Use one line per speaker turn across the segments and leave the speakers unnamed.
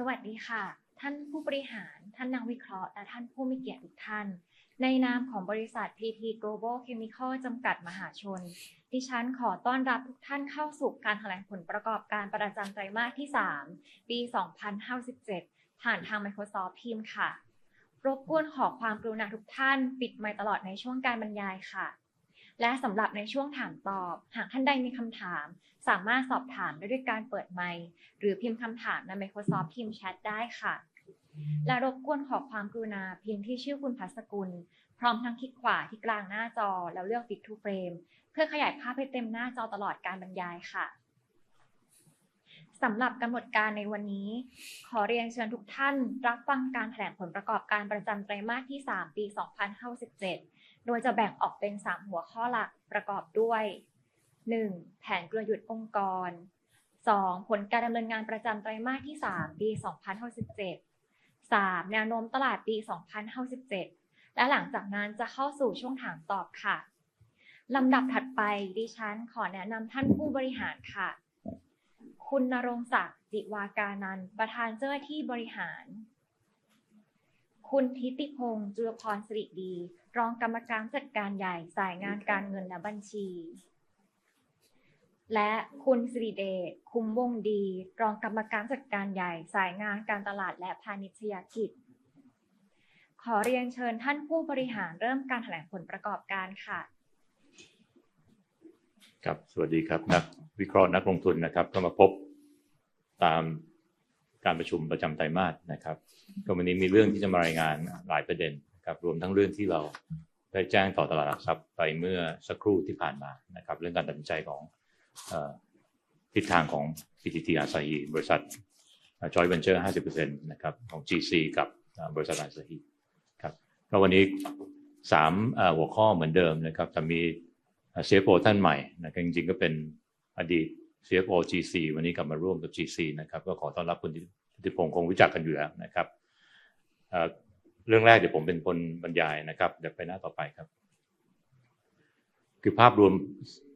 สวัสดีค่ะท่านผู้บริหารท่านนักวิเคราะห์และท่านผู้มีเกียรติทุกท่านในนามของบริษัท PTT Global Chemical จำกัด(มหาชน)ดิฉันขอต้อนรับทุกท่านเข้าสู่การแถลงผลประกอบการประจำไตรมาสที่3ปี2027ผ่านทาง Microsoft Teams ค่ะรบกวนขอความกรุณาทุกท่านปิดไมค์ตลอดในช่วงการบรรยายค่ะและสำหรับในช่วงถามตอบหากท่านใดมีคำถามสามารถสอบถามได้ด้วยการเปิดไมค์หรือพิมพ์คำถามใน Microsoft Teams Chat ได้ค่ะและรบกวนขอความกรุณาพิมพ์ชื่อคุณภาพสกุลพร้อมทั้งคลิกขวาที่กลางหน้าจอแล้วเลือก Fit to Frame เพื่อขยายภาพให้เต็มหน้าจอตลอดการบรรยายค่ะสำหรับกำหนดการในวันนี้ขอเรียนเชิญทุกท่านรับฟังการแถลงผลประกอบการประจำไตรมาสที่3ปี2027โดยจะแบ่งออกเป็น3หัวข้อหลักประกอบด้วย 1. แผนกลยุทธ์องค์กร 2. ผลการดำเนินงานประจำไตรมาสที่3ปี2027 3. แนวโน้มตลาดปี2027และหลังจากนั้นจะเข้าสู่ช่วงถามตอบค่ะลำดับถัดไปดิฉันขอแนะนำท่านผู้บริหารค่ะคุณณรงค์ศักดิ์จิวาการันต์ประธานเจ้าหน้าที่บริหารคุณธิติพงศ์จุลพรศิริดีรองกรรมการจัดการใหญ่สายงานการเงินและบัญชีและคุณสิริเดชคุ้มวงศ์ดีรองกรรมการจัดการใหญ่สายงานการตลาดและพาณิชยกิจขอเรียนเชิญท่านผู้บริหารเริ่มการแถลงผลประกอบการค่ะ
ครับสวัสดีครับนักวิเคราะห์นักลงทุนนะครับเข้ามาพบตามการประชุมประจำไตรมาสนะครับวันนี้มีเรื่องที่จะมารายงานหลายประเด็นนะครับรวมทั้งเรื่องที่เราได้แจ้งต่อตลาดหลักทรัพย์ไปเมื่อสักครู่ที่ผ่านมานะครับเรื่องการตัดสินใจของทิศทางของ PTT อาสาฮีบริษัท Joint Venture 50% นะครับของ GC กับบริษัทอาสาฮีครับวันนี้3หัวข้อเหมือนเดิมนะครับจะมี CFO ท่านใหม่นะครับจริงๆก็เป็นอดีต CFO GC วันนี้กลับมาร่วมกับ GC นะครับขอต้อนรับคุณพิติพงศ์คงรู้จักกันอยู่แล้วนะครับเรื่องแรกผมเป็นคนบรรยายนะครับไปหน้าต่อไปครับคือภาพรวม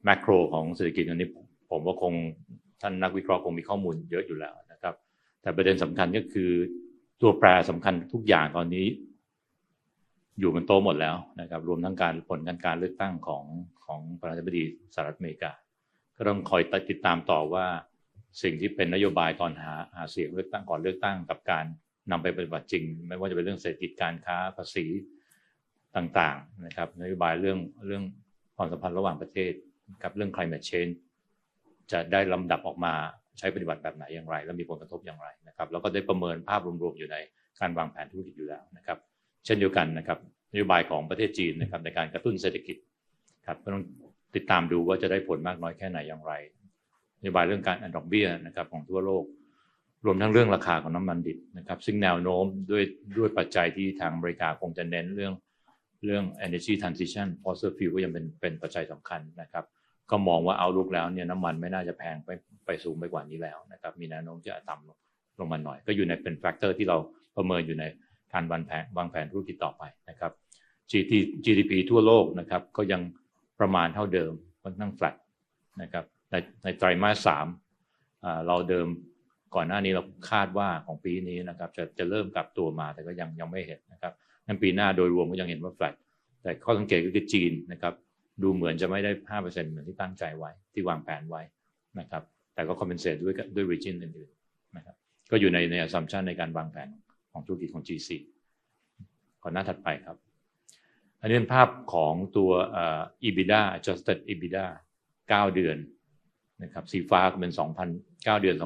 แมคโครของเศรษฐกิจอันนี้ผมว่าคงท่านนักวิเคราะห์คงมีข้อมูลเยอะอยู่แล้วนะครับแต่ประเด็นสำคัญก็คือตัวแปรสำคัญทุกอย่างตอนนี้อยู่บนโต๊ะหมดแล้วนะครับรวมทั้งผลการเลือกตั้งของประธานาธิบดีสหรัฐอเมริกาก็ต้องคอยติดตามต่อว่าสิ่งที่เป็นนโยบายตอนหาเสียงเลือกตั้งก่อนเลือกตั้งกับการนำไปปฏิบัติจริงไม่ว่าจะเป็นเรื่องเศรษฐกิจการค้าภาษีต่างๆนะครับนโยบายเรื่องความสัมพันธ์ระหว่างประเทศกับเรื่อง Climate Change จะได้ลำดับออกมาใช้ปฏิบัติแบบไหนอย่างไรและมีผลกระทบอย่างไรนะครับแล้วก็ได้ประเมินภาพรวมอยู่ในการวางแผนธุรกิจอยู่แล้วนะครับเช่นเดียวกันนะครับนโยบายของประเทศจีนนะครับในการกระตุ้นเศรษฐกิจครับก็ต้องติดตามดูว่าจะได้ผลมากน้อยแค่ไหนอย่างไรนโยบายเรื่องการลดดอกเบี้ยนะครับของทั่วโลกรวมทั้งเรื่องราคาของน้ำมันดิบนะครับซึ่งแนวโน้มด้วยปัจจัยที่ทางอเมริกาคงจะเน้นเรื่อง Energy Transition เพราะ Fuel ก็ยังเป็นปัจจัยสำคัญนะครับมองว่า Outlook แล้วน้ำมันไม่น่าจะแพงไปสูงไปกว่านี้แล้วนะครับมีแนวโน้มที่จะต่ำลงมาหน่อยก็อยู่ในเป็น Factor ที่เราประเมินอยู่ในการวางแผนธุรกิจต่อไปนะครับ GDP ทั่วโลกนะครับก็ยังประมาณเท่าเดิมค่อนข้างแฟลตนะครับแต่ในไตรมาส3เราเดิมก่อนหน้านี้เราคาดว่าของปีนี้นะครับจะเริ่มกลับตัวมาแต่ก็ยังไม่เห็นนะครับปีหน้าโดยรวมก็ยังเห็นว่าแฟลตแต่ข้อสังเกตก็คือจีนนะครับดูเหมือนจะไม่ได้ 5% เหมือนที่ตั้งใจไว้ที่วางแผนไว้นะครับแต่ก็ compensate ด้วย region อื่นๆนะครับอยู่ใน assumption ในการวางแผนของธุรกิจของ GC หน้าถัดไปครับอันนี้เป็นภาพของตัว EBITDA Adjusted EBITDA 9เดือนนะครับสีฟ้าก็เป็น9เดือน2023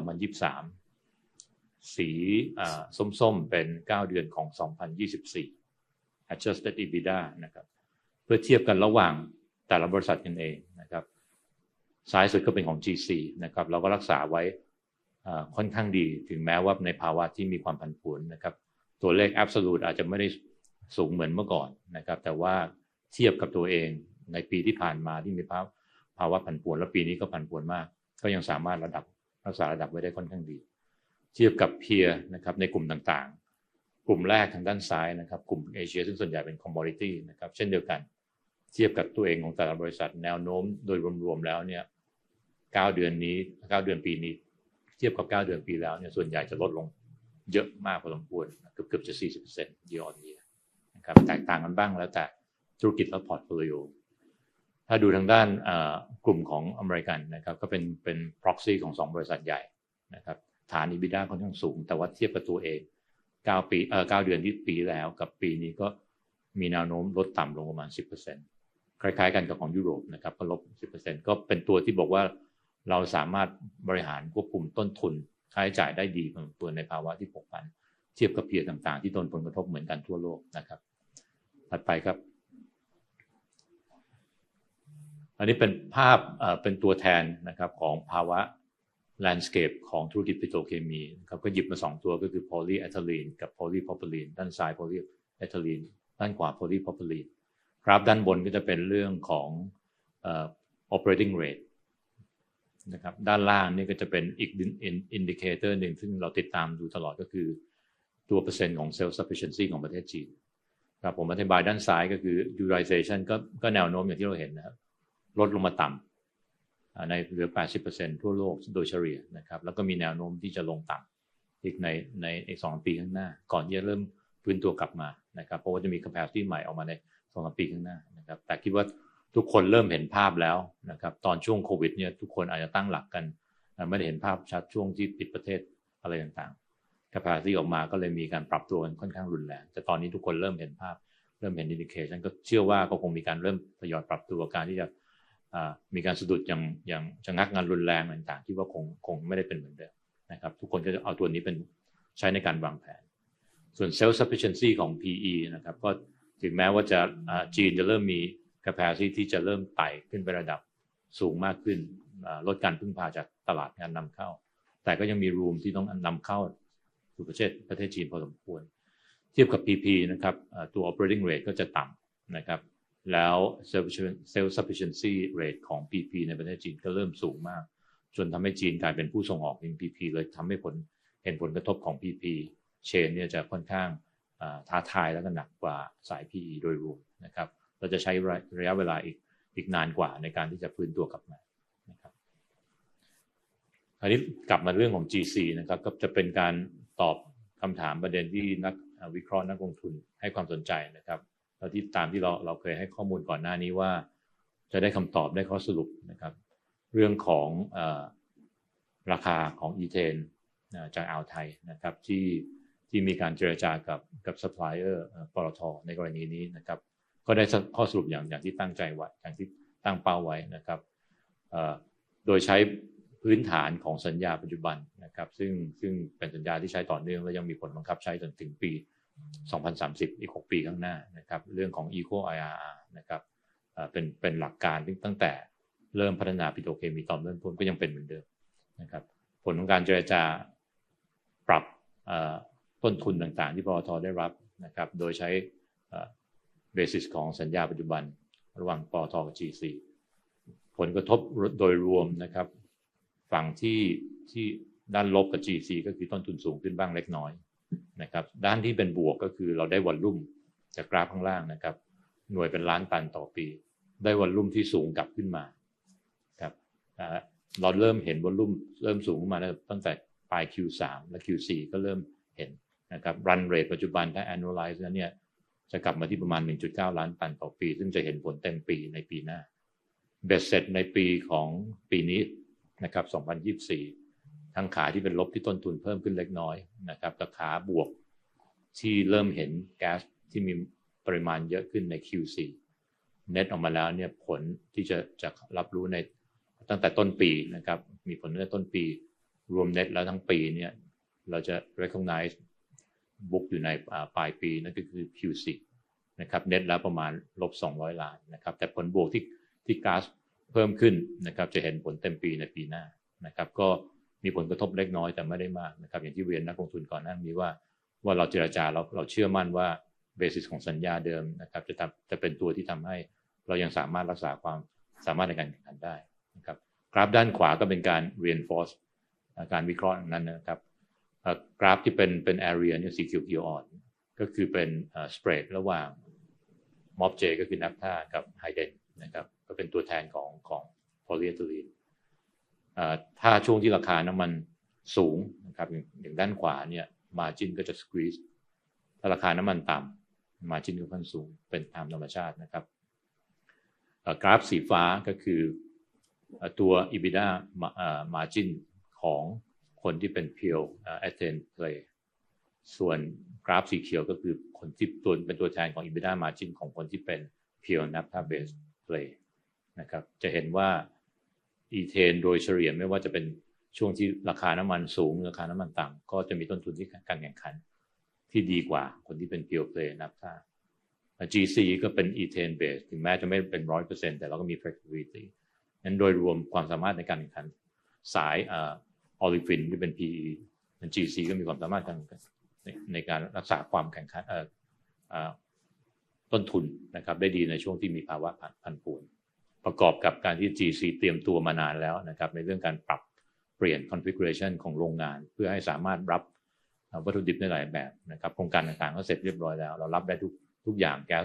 สีส้มเป็น9เดือนของ2024 Adjusted EBITDA นะครับเพื่อเทียบกันระหว่างแต่ละบริษัทกันเองนะครับซ้ายสุดก็เป็นของ GC นะครับเรารักษาไว้ค่อนข้างดีถึงแม้ว่าในภาวะที่มีความผันผวนนะครับตัวเลข Absolute อาจจะไม่ได้สูงเหมือนเมื่อก่อนนะครับแต่ว่าเทียบกับตัวเองในปีที่ผ่านมาที่มีภาวะผันผวนแล้วปีนี้ก็ผันผวนมากก็ยังสามารถรักษาระดับไว้ได้ค่อนข้างดีเทียบกับเพียร์นะครับในกลุ่มต่างๆกลุ่มแรกทางด้านซ้ายนะครับกลุ่มเอเชียซึ่งส่วนใหญ่เป็น Commodity นะครับเช่นเดียวกันเทียบกับตัวเองของแต่ละบริษัทแนวโน้มโดยรวมแล้ว9เดือนนี้9เดือนปีนี้เทียบกับ9เดือนปีแล้วส่วนใหญ่จะลดลงเยอะมากพอสมควรเกือบจะ 40% Year on Year นะครับแตกต่างกันบ้างแล้วแต่ธุรกิจและ Portfolio ถ้าดูทางด้านกลุ่มของอเมริกันนะครับก็เป็น Proxy ของ2บริษัทใหญ่นะครับฐาน EBITDA ค่อนข้างสูงแต่ว่าเทียบกับตัวเอง9เดือนที่ปีที่แล้วกับปีนี้ก็มีแนวโน้มลดต่ำลงประมาณ 10% คล้ายๆกันกับของยุโรปนะครับก็ลบ 10% เป็นตัวที่บอกว่าเราสามารถบริหารควบคุมต้นทุนค่าใช้จ่ายได้ดีพอสมควรในภาวะที่ผกผันเทียบกับเพียร์ต่างๆที่โดนผลกระทบเหมือนกันทั่วโลกนะครับถัดไปครับอันนี้เป็นภาพเป็นตัวแทนนะครับของภาวะ Landscape ของธุรกิจปิโตรเคมีนะครับหยิบมา2ตัวก็คือ Polyethylene กับ Polypropylene ด้านซ้าย Polyethylene ด้านขวา Polypropylene กราฟด้านบนก็จะเป็นเรื่องของ Operating Rate นะครับด้านล่างก็จะเป็นอีก Indicator หนึ่งซึ่งเราติดตามดูตลอดก็คือตัวเปอร์เซ็นต์ของ Self Sufficiency ของประเทศจีนครับผมอธิบายด้านซ้ายก็คือ Utilization แนวโน้มอย่างที่เราเห็นลดลงมาต่ำเหลือ 80% ทั่วโลกโดยเฉลี่ยนะครับแล้วก็มีแนวโน้มที่จะลงต่ำอีกในอีก 2-3 ปีข้างหน้าก่อนที่จะเริ่มฟื้นตัวกลับมานะครับเพราะว่าจะมี Capacity ใหม่ออกมาใน 2-3 ปีข้างหน้านะครับแต่คิดว่าทุกคนเริ่มเห็นภาพแล้วนะครับตอนช่วงโควิดทุกคนอาจจะตั้งหลักกันไม่ได้เห็นภาพชัดช่วงที่ปิดประเทศอะไรต่างๆ Capacity ออกมาก็เลยมีการปรับตัวกันค่อนข้างรุนแรงแต่ตอนนี้ทุกคนเริ่มเห็นภาพเริ่มเห็น Indication เชื่อว่าก็คงมีการเริ่มทยอยปรับตัวการที่จะมีการสะดุดชะงักงานรุนแรงอะไรต่างๆคิดว่าคงไม่ได้เป็นเหมือนเดิมนะครับทุกคนก็จะเอาตัวนี้เป็นใช้ในการวางแผนส่วน Self Sufficiency ของ PE นะครับก็ถึงแม้ว่าจะจีนจะเริ่มมี Capacity ที่จะเริ่มไต่ขึ้นไประดับสูงมากขึ้นลดการพึ่งพาจากตลาดการนำเข้าแต่ก็ยังมี Room ที่ต้องนำเข้าสู่ประเทศจีนพอสมควรเทียบกับ PP นะครับตัว Operating Rate ก็จะต่ำนะครับแล้ว Self Sufficiency Rate ของ PP ในประเทศจีนก็เริ่มสูงมากจนทำให้จีนกลายเป็นผู้ส่งออก PP เลยทำให้เห็นผลกระทบของ PP Chain จะค่อนข้างท้าทายแล้วก็หนักกว่าสาย PE โดยรวมนะครับเราจะใช้ระยะเวลาอีกนานกว่าในการที่จะฟื้นตัวกลับมานะครับคราวนี้กลับมาเรื่องของ GC นะครับจะเป็นการตอบคำถามประเด็นที่นักวิเคราะห์นักลงทุนให้ความสนใจนะครับแล้วที่ตามที่เราเคยให้ข้อมูลก่อนหน้านี้ว่าจะได้คำตอบได้ข้อสรุปนะครับเรื่องของราคาของ Ethane จากอ่าวไทยนะครับที่มีการเจรจากับ Supplier ปต ท. ในกรณีนี้ครับก็ได้ข้อสรุปอย่างที่ตั้งใจไว้อย่างที่ตั้งเป้าไว้ครับโดยใช้พื้นฐานของสัญญาปัจจุบันครับซึ่งเป็นสัญญาที่ใช้ต่อเนื่องและยังมีผลบังคับใช้จนถึงปี2030อีก6ปีข้างหน้าครับเรื่องของ Eco IRR ครับเป็นหลักการตั้งแต่เริ่มพัฒนาปิโตรเคมีตอนเริ่มต้นก็ยังเป็นเหมือนเดิมครับผลของการเจรจาปรับต้นทุนต่างๆที่ปต ท. ได้รับครับโดยใช้ Basis ของสัญญาปัจจุบันระหว่างปต ท. กับ GC ผลกระทบโดยรวมครับฝั่งที่เป็นด้านลบกับ GC ก็คือต้นทุนสูงขึ้นบ้างเล็กน้อยครับด้านที่เป็นบวกก็คือเราได้ Volume จากกราฟข้างล่างครับหน่วยเป็นล้านตันต่อปีได้ Volume ที่สูงกลับขึ้นมาครับเราเริ่มเห็น Volume เริ่มสูงขึ้นมาตั้งแต่ปลาย Q3 และ Q4 ก็เริ่มเห็นครับ Run Rate ปัจจุบันถ้า Analyze แล้วจะกลับมาที่ประมาณ 1.9 ล้านตันต่อปีซึ่งจะเห็นผลเต็มปีในปีหน้า Base ในปีของปีนี้ครับ2024ทั้งขาที่เป็นลบที่ต้นทุนเพิ่มขึ้นเล็กน้อยครับกับขาบวกที่เริ่มเห็นแก๊สที่มีปริมาณเยอะขึ้นใน Q4 Net ออกมาแล้วผลที่จะรับรู้ตั้งแต่ต้นปีครับมีผลตั้งแต่ต้นปีรวม Net แล้วทั้งปีเราจะ Recognize Book อยู่ในปลายปีนั่นก็คือ Q4 ครับ Net แล้วประมาณ -200 ล้านครับแต่ผลบวกที่ก๊าซเพิ่มขึ้นครับจะเห็นผลเต็มปีในปีหน้าครับก็มีผลกระทบเล็กน้อยแต่ไม่ได้มากครับอย่างที่เรียนนักลงทุนก่อนหน้านี้ว่าเราเจรจาเราเชื่อมั่นว่า Basis ของสัญญาเดิมครับจะเป็นตัวที่ทำให้เรายังสามารถรักษาความสามารถในการแข่งขันได้ครับกราฟด้านขวาก็เป็นการ Reinforce การวิเคราะห์นั้นครับกราฟที่เป็น Area สีเขียวอ่อนก็คือเป็น Spread ระหว่าง MOBJ ก็คือ NAFTA กับ Hiden ครับก็เป็นตัวแทนของ Polyethylene ถ้าช่วงที่ราคาน้ำมันสูงครับอย่างด้านขวา Margin ก็จะ Squeeze ถ้าราคาน้ำมันต่ำ Margin ก็ค่อนข้างสูงเป็นตามธรรมชาติครับกราฟสีฟ้าก็คือตัว EBIDA Margin ของคนที่เป็น Pure Attained Play ส่วนกราฟสีเขียวก็คือตัวแทนของ EBIDA Margin ของคนที่เป็น Pure NAFTA Based Play ครับจะเห็นว่า ETAN โดยเฉลี่ยไม่ว่าจะเป็นช่วงที่ราคาน้ำมันสูงราคาน้ำมันต่ำก็จะมีต้นทุนการแข่งขันที่ดีกว่าคนที่เป็น Pure Play NAFTA GC ก็เป็น ETAN Based ถึงแม้จะไม่เป็น 100% แต่เราก็มี Flexibility โดยรวมความสามารถในการแข่งขันสาย Olifin ที่เป็น PE GC ก็มีความสามารถในการรักษาความแข่งขันต้นทุนครับได้ดีในช่วงที่มีภาวะผันผวนประกอบกับการที่ GC เตรียมตัวมานานแล้วครับในเรื่องการปรับเปลี่ยน Configuration ของโรงงานเพื่อให้สามารถรับวัตถุดิบได้หลายแบบครับโครงการต่างๆก็เสร็จเรียบร้อยแล้วเรารับได้ทุกอย่างแก๊ส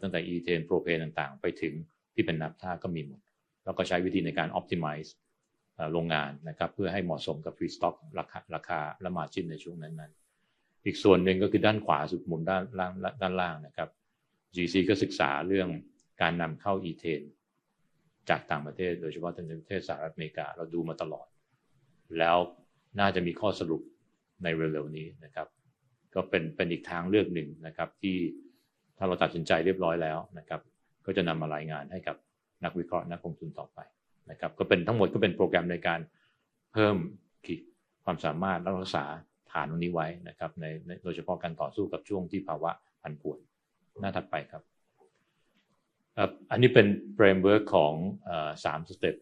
ตั้งแต่อีเทนโปรเพนต่างๆไปถึงที่เป็น NAFTA ก็มีหมดแล้วก็ใช้วิธีในการ Optimize โรงงานครับเพื่อให้เหมาะสมกับ Free Stock ราคาและ Margin ในช่วงนั้นๆอีกส่วนหนึ่งก็คือด้านขวาสุดด้านล่างครับ GC ก็ศึกษาเรื่องการนำเข้า ETAN จากต่างประเทศโดยเฉพาะในประเทศสหรัฐอเมริกาเราดูมาตลอดแล้วน่าจะมีข้อสรุปในเร็วๆนี้ครับก็เป็นอีกทางเลือกหนึ่งครับที่ถ้าเราตัดสินใจเรียบร้อยแล้วครับก็จะนำมารายงานให้กับนักวิเคราะห์นักลงทุนต่อไปครับก็เป็นทั้งหมดเป็นโปรแกรมในการเพิ่มขีดความสามารถและรักษาฐานตรงนี้ไว้ครับโดยเฉพาะการต่อสู้กับช่วงที่ภาวะผันผวนหน้าถัดไปครับอันนี้เป็น Framework ของ3 Step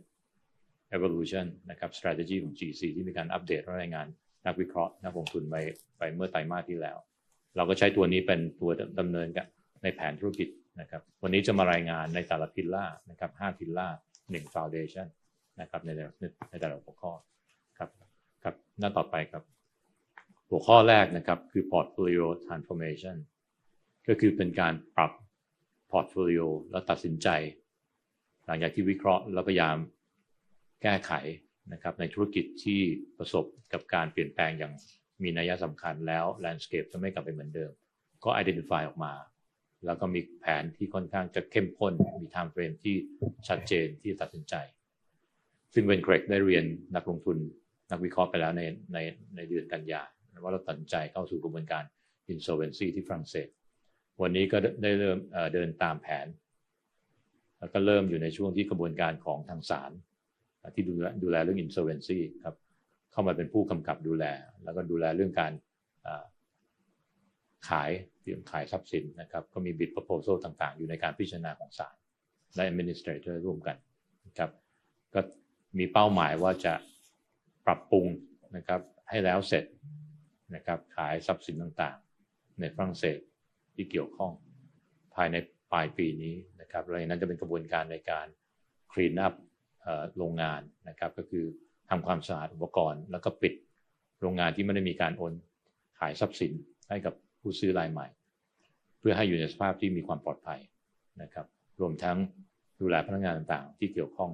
Evolution ครับ Strategy ของ GC ที่มีการอัปเดตและรายงานนักวิเคราะห์นักลงทุนไปเมื่อไตรมาสที่แล้วเราก็ใช้ตัวนี้เป็นตัวดำเนินการในแผนธุรกิจครับวันนี้จะมารายงานในแต่ละ Pillar ครับ5 Pillar 1 Foundation ครับในแต่ละหัวข้อครับหน้าต่อไปครับหัวข้อแรกครับคือ Portfolio Transformation ก็คือเป็นการปรับ Portfolio และตัดสินใจหลังจากที่วิเคราะห์แล้วพยายามแก้ไขครับในธุรกิจที่ประสบกับการเปลี่ยนแปลงอย่างมีนัยสำคัญแล้ว Landscape ก็ไม่กลับไปเหมือนเดิมก็ Identify ออกมาแล้วก็มีแผนที่ค่อนข้างจะเข้มข้นมี Time Frame ที่ชัดเจนที่จะตัดสินใจซึ่งเวนเกรกได้เรียนนักลงทุนนักวิเคราะห์ไปแล้วในเดือนกันยายนว่าเราตัดสินใจเข้าสู่กระบวนการ Insolvency ที่ฝรั่งเศสวันนี้ก็ได้เริ่มเดินตามแผนแล้วก็เริ่มอยู่ในช่วงที่กระบวนการของทางศาลที่ดูแลเรื่อง Insolvency ครับเข้ามาเป็นผู้กำกับดูแลแล้วก็ดูแลเรื่องการขายทรัพย์สินครับก็มี Bid Proposal ต่างๆอยู่ในการพิจารณาของศาลและ Administrator ร่วมกันครับก็มีเป้าหมายว่าจะปรับปรุงให้แล้วเสร็จครับขายทรัพย์สินต่างๆในฝรั่งเศสที่เกี่ยวข้องภายในปลายปีนี้ครับแล้วจะเป็นกระบวนการในการ Clean Up โรงงานครับก็คือทำความสะอาดอุปกรณ์แล้วก็ปิดโรงงานที่ไม่ได้มีการโอนขายทรัพย์สินให้กับผู้ซื้อรายใหม่เพื่อให้อยู่ในสภาพที่มีความปลอดภัยครับรวมทั้งดูแลพนักงานต่างๆที่เกี่ยวข้อง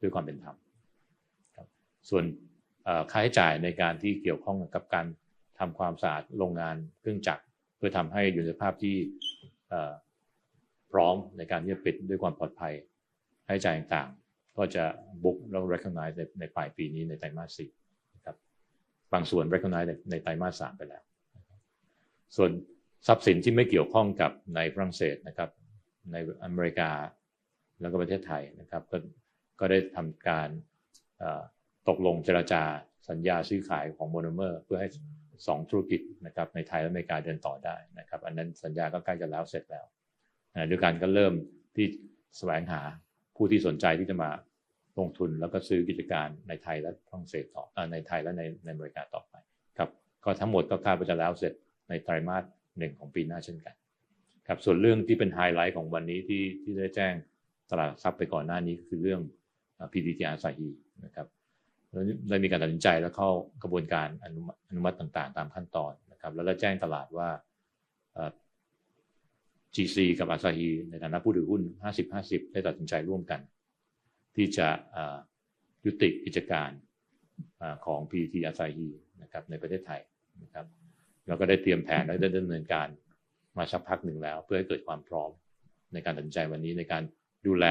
ด้วยความเป็นธรรมครับส่วนค่าใช้จ่ายในการที่เกี่ยวข้องกับการทำความสะอาดโรงงานเครื่องจักรเพื่อทำให้อยู่ในสภาพที่พร้อมในการที่จะปิดด้วยความปลอดภัยค่าใช้จ่ายต่างๆก็จะ Book แล้ว Recognize ในปลายปีนี้ในไตรมาส4ครับบางส่วน Recognize ในไตรมาส3ไปแล้วครับส่วนทรัพย์สินที่ไม่เกี่ยวข้องกับในฝรั่งเศสครับในอเมริกาแล้วก็ประเทศไทยครับก็ได้ทำการตกลงเจรจาสัญญาซื้อขายของ Monomer เพื่อให้2ธุรกิจครับในไทยและอเมริกาเดินต่อได้ครับสัญญาก็ใกล้จะแล้วเสร็จแล้วก็เริ่มที่แสวงหาผู้ที่สนใจที่จะมาลงทุนแล้วก็ซื้อกิจการในไทยและในอเมริกาต่อไปครับก็ทั้งหมดก็คาดว่าจะแล้วเสร็จในไตรมาส1ของปีหน้าเช่นกันครับส่วนเรื่องที่เป็นไฮไลท์ของวันนี้ที่ได้แจ้งตลาดทรัพย์ไปก่อนหน้านี้คือเรื่อง PTTR ครับได้มีการตัดสินใจแล้วเข้ากระบวนการอนุมัติต่างๆตามขั้นตอนครับแล้วได้แจ้งตลาดว่า GC กับ ASAHI ในฐานะผู้ถือหุ้น 50/50 ได้ตัดสินใจร่วมกันที่จะยุติกิจการของ PTTR ครับในประเทศไทยครับแล้วก็ได้เตรียมแผนและได้ดำเนินการมาสักพักหนึ่งแล้วเพื่อให้เกิดความพร้อมในการตัดสินใจวันนี้ในการดูแล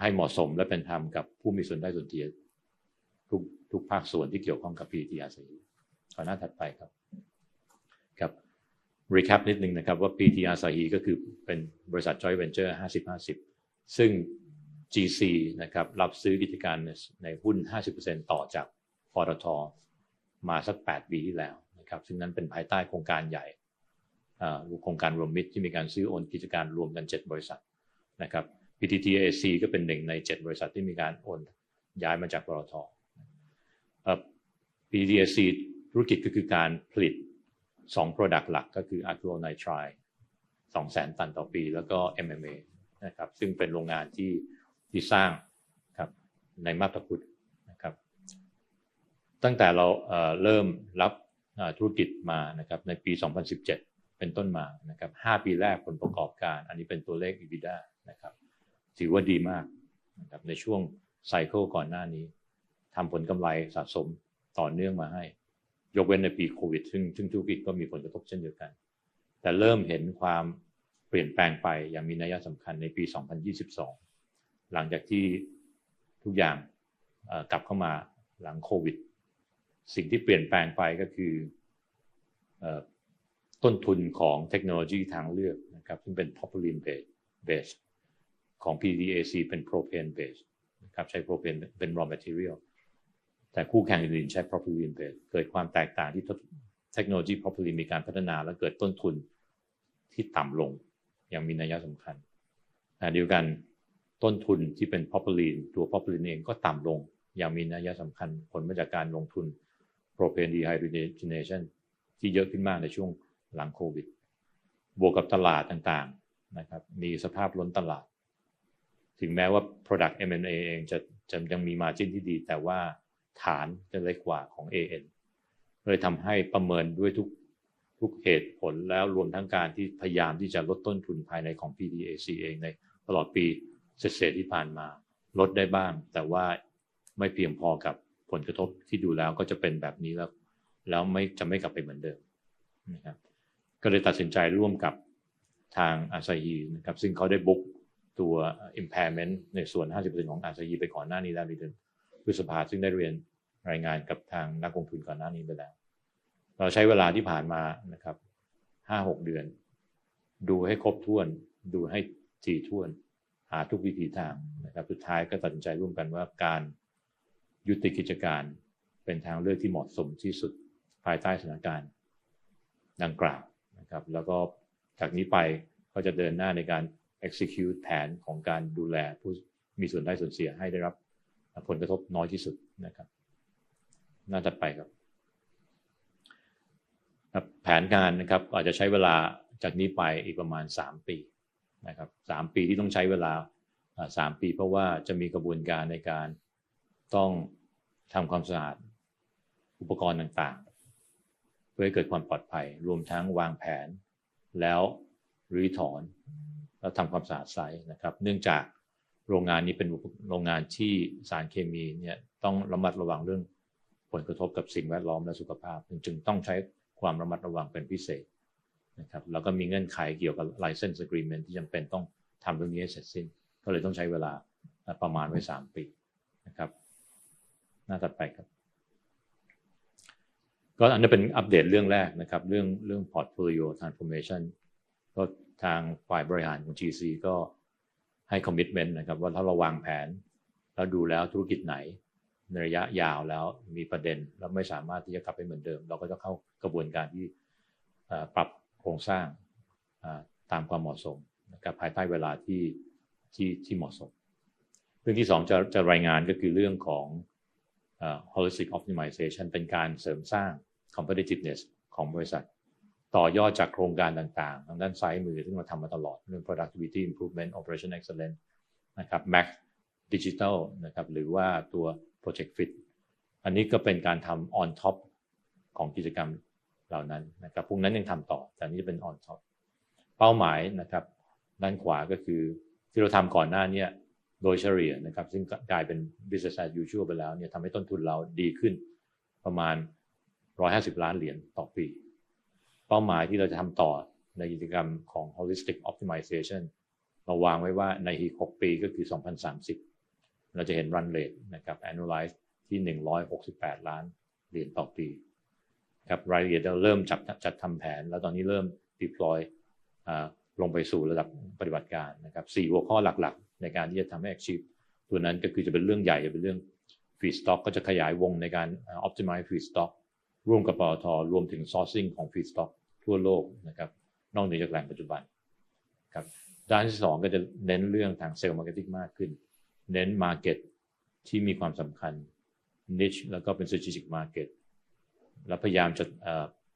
ให้เหมาะสมและเป็นธรรมกับผู้มีส่วนได้ส่วนเสียทุกภาคส่วนที่เกี่ยวข้องกับ PTTR หน้าถัดไปครับ Recap นิดหนึ่งครับว่า PTTR ก็คือเป็นบริษัท Joint Venture 50/50 ซึ่ง GC ครับรับซื้อกิจการในหุ้น 50% ต่อจากปต ท. มาสัก8ปีที่แล้วครับซึ่งนั้นเป็นภายใต้โครงการใหญ่โครงการรวมมิตรที่มีการซื้อโอนกิจการรวมกัน7บริษัทครับ PTTAC ก็เป็นหนึ่งใน7บริษัทที่มีการโอนย้ายมาจากปต ท. PTTAC ธุรกิจก็คือการผลิต2 Product หลักก็คือ Acrylonitrile 200,000 ตันต่อปีแล้วก็ MMA ซึ่งเป็นโรงงานที่สร้างในมาเลเซียตั้งแต่เราเริ่มรับธุรกิจมาในปี2017เป็นต้นมา5ปีแรกผลประกอบการอันนี้เป็นตัวเลข EBITDA ถือว่าดีมากในช่วง Cycle ก่อนหน้านี้ทำผลกำไรสะสมต่อเนื่องมาให้ยกเว้นในปีโควิดซึ่งธุรกิจก็มีผลกระทบเช่นเดียวกันแต่เริ่มเห็นความเปลี่ยนแปลงไปอย่างมีนัยสำคัญในปี2022หลังจากที่ทุกอย่างกลับเข้ามาหลังโควิดสิ่งที่เปลี่ยนแปลงไปก็คือต้นทุนของเทคโนโลยีทางเลือกซึ่งเป็น Propylene Base ของ PTTAC เป็น Propane Base ใช้ Propane เป็น Raw Material แต่คู่แข่งอื่นๆใช้ Propylene Base เกิดความแตกต่างที่เทคโนโลยี Propylene มีการพัฒนาและเกิดต้นทุนที่ต่ำลงอย่างมีนัยสำคัญขณะเดียวกันต้นทุนที่เป็น Propylene ตัว Propylene เองก็ต่ำลงอย่างมีนัยสำคัญผลมาจากการลงทุน Propylene Dehydrogenation ที่เยอะขึ้นมากในช่วงหลังโควิดบวกกับตลาดต่างๆมีสภาพล้นตลาดถึงแม้ว่า Product MMA เองจะยังมี Margin ที่ดีแต่ว่าฐานจะเล็กกว่าของ AN เลยทำให้ประเมินด้วยทุกเหตุผลแล้วรวมทั้งการที่พยายามที่จะลดต้นทุนภายในของ PTTAC เองในตลอดปีที่ผ่านมาลดได้บ้างแต่ว่าไม่เพียงพอกับผลกระทบที่ดูแล้วก็จะเป็นแบบนี้แล้วไม่จะไม่กลับไปเหมือนเดิมก็เลยตัดสินใจร่วมกับทาง ASAHI ซึ่งเขาได้ Book ตัว Impairment ในส่วน 50% ของ ASAHI ไปก่อนหน้านี้แล้วในเดือนพฤษภาคมซึ่งได้เรียนรายงานกับทางนักลงทุนก่อนหน้านี้ไปแล้วเราใช้เวลาที่ผ่านมา 5-6 เดือนดูให้ครบถ้วนดูให้ถี่ถ้วนหาทุกวิถีทางสุดท้ายก็ตัดสินใจร่วมกันว่าการยุติกิจการเป็นทางเลือกที่เหมาะสมที่สุดภายใต้สถานการณ์ดังกล่าวแล้วก็จากนี้ไปก็จะเดินหน้าในการ Execute แผนของการดูแลผู้มีส่วนได้ส่วนเสียให้ได้รับผลกระทบน้อยที่สุดหน้าถัดไปแผนงานก็อาจจะใช้เวลาจากนี้ไปอีกประมาณ3ปี3ปีที่ต้องใช้เวลา3ปีเพราะว่าจะมีกระบวนการในการต้องทำความสะอาดอุปกรณ์ต่างๆเพื่อให้เกิดความปลอดภัยรวมทั้งวางแผนแล้วรื้อถอนแล้วทำความสะอาดไซต์เนื่องจากโรงงานนี้เป็นโรงงานที่สารเคมีต้องระมัดระวังเรื่องผลกระทบกับสิ่งแวดล้อมและสุขภาพจึงต้องใช้ความระมัดระวังเป็นพิเศษแล้วก็มีเงื่อนไขเกี่ยวกับ License Agreement ที่จำเป็นต้องทำเรื่องนี้ให้เสร็จสิ้นก็เลยต้องใช้เวลาประมาณไว้3ปีหน้าถัดไปก็อันนี้เป็นอัปเดตเรื่องแรกเรื่อง Portfolio Transformation ก็ทางฝ่ายบริหารของ GC ก็ให้ Commitment ว่าถ้าเราวางแผนแล้วดูแล้วธุรกิจไหนในระยะยาวแล้วมีประเด็นแล้วไม่สามารถที่จะกลับไปเหมือนเดิมเราก็จะเข้ากระบวนการที่ปรับโครงสร้างตามความเหมาะสมภายใต้เวลาที่เหมาะสมเรื่องที่2จะรายงานก็คือเรื่องของ Holistic Optimization เป็นการเสริมสร้าง Competitiveness ของบริษัทต่อยอดจากโครงการต่างๆทางด้านซ้ายมือซึ่งเราทำมาตลอดเรื่อง Productivity Improvement Operation Excellence หรือ Max Digital หรือว่าตัว Project Fit อันนี้ก็เป็นการทำ On Top ของกิจกรรมเหล่านั้นพวกนั้นยังทำต่อแต่นี้จะเป็น On Top เป้าหมายด้านขวาก็คือที่เราทำก่อนหน้าโดยเฉลี่ยซึ่งกลายเป็น Business as Usual ไปแล้วทำให้ต้นทุนเราดีขึ้นประมาณ $150 ล้านต่อปีเป้าหมายที่เราจะทำต่อในกิจกรรมของ Holistic Optimization เราวางไว้ว่าในอีก6ปีก็คือ2030เราจะเห็น Run Rate Annualized ที่ $168 ล้านต่อปีรายละเอียดเราเริ่มจัดทำแผนแล้วตอนนี้เริ่ม Deploy ลงไปสู่ระดับปฏิบัติการ4หัวข้อหลักๆในการที่จะทำให้ Achieve ตัวนั้นก็คือจะเป็นเรื่องใหญ่จะเป็นเรื่อง Feedstock ก็จะขยายวงในการ Optimize Feedstock ร่วมกับปต ท. รวมถึง Sourcing ของ Feedstock ทั่วโลกนะครับนอกเหนือจากแหล่งปัจจุบันครับด้านที่2ก็จะเน้นเรื่องทาง Sales Marketing มากขึ้นเน้น Market ที่มีความสำคัญ Niche แล้วก็เป็น Strategic Market แล้วพยายามจะ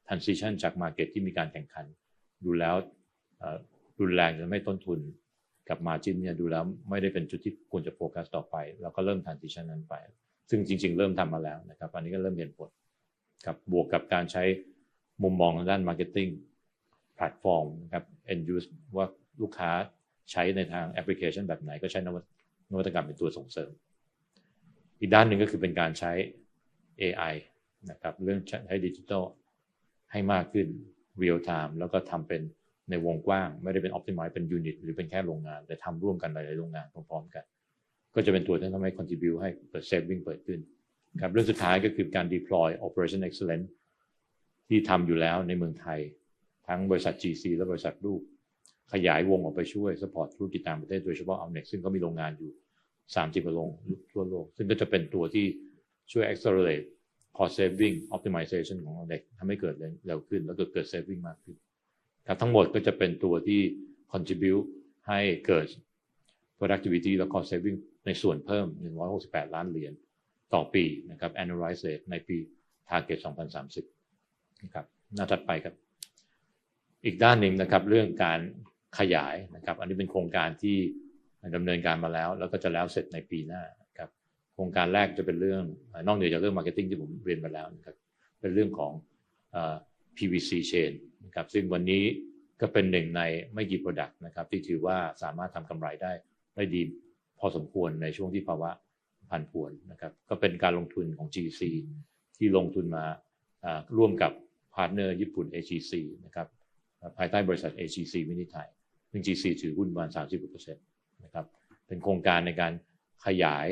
Transition จาก Market ที่มีการแข่งขันรุนแรงทำให้ต้นทุนกับ Margin ดูแล้วไม่ได้เป็นจุดที่ควรจะโฟกัสต่อไปเราก็เริ่ม Transition ไปซึ่งจริงๆเริ่มทำมาแล้วนะครับอันนี้ก็เริ่มเห็นผลครับบวกกับการใช้มุมมองทางด้าน Marketing Platform นะครับ End Use ว่าลูกค้าใช้ในทางแอปพลิเคชันแบบไหนก็ใช้นวัตกรรมเป็นตัวส่งเสริมอีกด้านหนึ่งก็คือเป็นการใช้ AI นะครับเรื่องใช้ Digital ให้มากขึ้น Real Time แล้วก็ทำเป็นในวงกว้างไม่ได้เป็น Optimize เป็น Unit หรือเป็นแค่โรงงานแต่ทำร่วมกันหลายๆโรงงานพร้อมๆกันก็จะเป็นตัวที่ทำให้ Contribute ให้เกิด Saving เพิ่มขึ้นครับเรื่องสุดท้ายก็คือการ Deploy Operation Excellence ที่ทำอยู่แล้วในเมืองไทยทั้งบริษัท GC และบริษัทลูกขยายวงออกไปช่วย Support ธุรกิจต่างประเทศโดยเฉพาะ ALLNEX ซึ่งก็มีโรงงานอยู่30กว่าโรงทั่วโลกซึ่งก็จะเป็นตัวที่ช่วย Accelerate Cost Saving Optimization ของ ALLNEX ทำให้เกิดเร็วขึ้นแล้วเกิด Saving มากขึ้นครับทั้งหมดก็จะเป็นตัวที่ Contribute ให้เกิด Productivity และ Cost Saving ในส่วนเพิ่ม $168 ล้านต่อปีนะครับ Annualized Rate ในปี Target 2030นะครับหน้าถัดไปครับอีกด้านหนึ่งนะครับเรื่องการขยายนะครับอันนี้เป็นโครงการที่ดำเนินการมาแล้วแล้วก็จะแล้วเสร็จในปีหน้านะครับโครงการแรกจะเป็นเรื่องนอกเหนือจากเรื่อง Marketing ที่ผมเรียนมาแล้วนะครับเป็นเรื่องของ PVC Chain นะครับซึ่งวันนี้ก็เป็นหนึ่งในไม่กี่ Product นะครับที่ถือว่าสามารถทำกำไรได้ดีพอสมควรในช่วงที่ภาวะผันผวนนะครับก็เป็นการลงทุนของ GC ที่ลงทุนมาร่วมกับพาร์ทเนอร์ญี่ปุ่น AGC นะครับภายใต้บริษัท AGC Vinythai ซึ่ง GC ถือหุ้นประมาณ30กว่าเปอร์เซ็นต์นะครับเป็นโครงการในการขยาย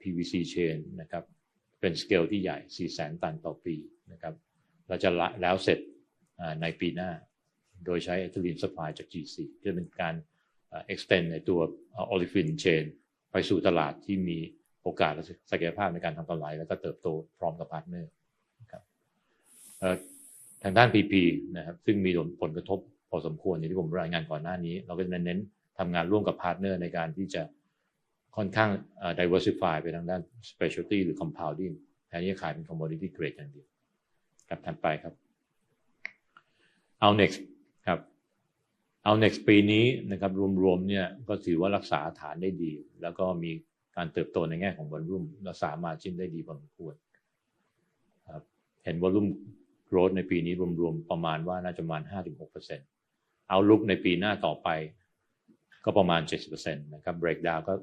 PVC Chain นะครับเป็น Scale ที่ใหญ่ 400,000 ตันต่อปีนะครับเราจะแล้วเสร็จในปีหน้าโดยใช้ Supply จาก GC จะเป็นการ Extend ในตัว Olefin Chain ไปสู่ตลาดที่มีโอกาสและศักยภาพในการทำกำไรแล้วก็เติบโตพร้อมกับพาร์ทเนอร์นะครับทางด้าน PP นะครับซึ่งมีผลกระทบพอสมควรอย่างที่ผมรายงานก่อนหน้านี้เราก็จะมาเน้นทำงานร่วมกับพาร์ทเนอร์ในการที่จะ Diversify ไปทางด้าน Specialty หรือ Compounding แทนที่จะขายเป็น Commodity Grade อย่างเดียวครับถัดไปครับ ALLNEX ครับ ALLNEX ปีนี้นะครับรวมๆก็ถือว่ารักษาฐานได้ดีแล้วก็มีการเติบโตในแง่ของ Volume รักษามาได้ดีพอสมควรครับเห็น Volume Growth ในปีนี้รวมๆประมาณว่าน่าจะประมาณ 5-6% Outlook ในปีหน้าต่อไปก็ประมาณ 7% นะครับ Breakdown ก็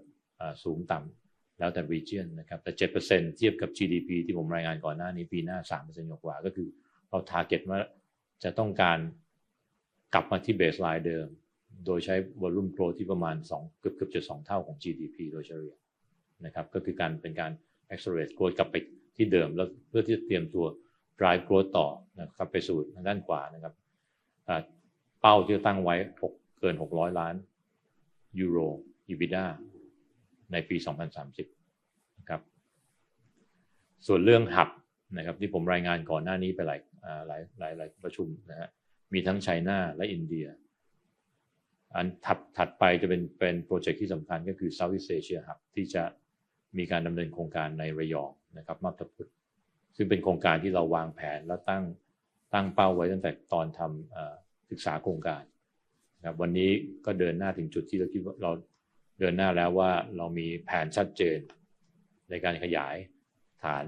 สูงต่ำแล้วแต่ Region นะครับแต่ 7% เทียบกับ GDP ที่ผมรายงานก่อนหน้านี้ปีหน้า 3% กว่าๆก็คือเรา Target ว่าจะต้องการกลับมาที่ Baseline เดิมโดยใช้ Volume Growth ที่ประมาณ2เกือบๆจะ2เท่าของ GDP โดยเฉลี่ยนะครับก็คือการเป็นการ Accelerate Growth กลับไปที่เดิมแล้วเพื่อที่จะเตรียมตัว Drive Growth ต่อนะครับไปสู่ทางด้านขวานะครับเป้าที่จะตั้งไว้ €600 ล้าน EBITDA ในปี2030นะครับส่วนเรื่อง Hub นะครับที่ผมรายงานก่อนหน้านี้ไปหลายๆประชุมนะมีทั้ง China และอินเดียถัดไปจะเป็นโปรเจคที่สำคัญก็คือ Southeast Asia Hub ที่จะมีการดำเนินโครงการในระยองนะครับซึ่งเป็นโครงการที่เราวางแผนและตั้งเป้าไว้ตั้งแต่ตอนทำศึกษาโครงการนะครับวันนี้ก็เดินหน้าถึงจุดที่เราคิดว่าเราเดินหน้าแล้วว่าเรามีแผนชัดเจนในการขยายฐาน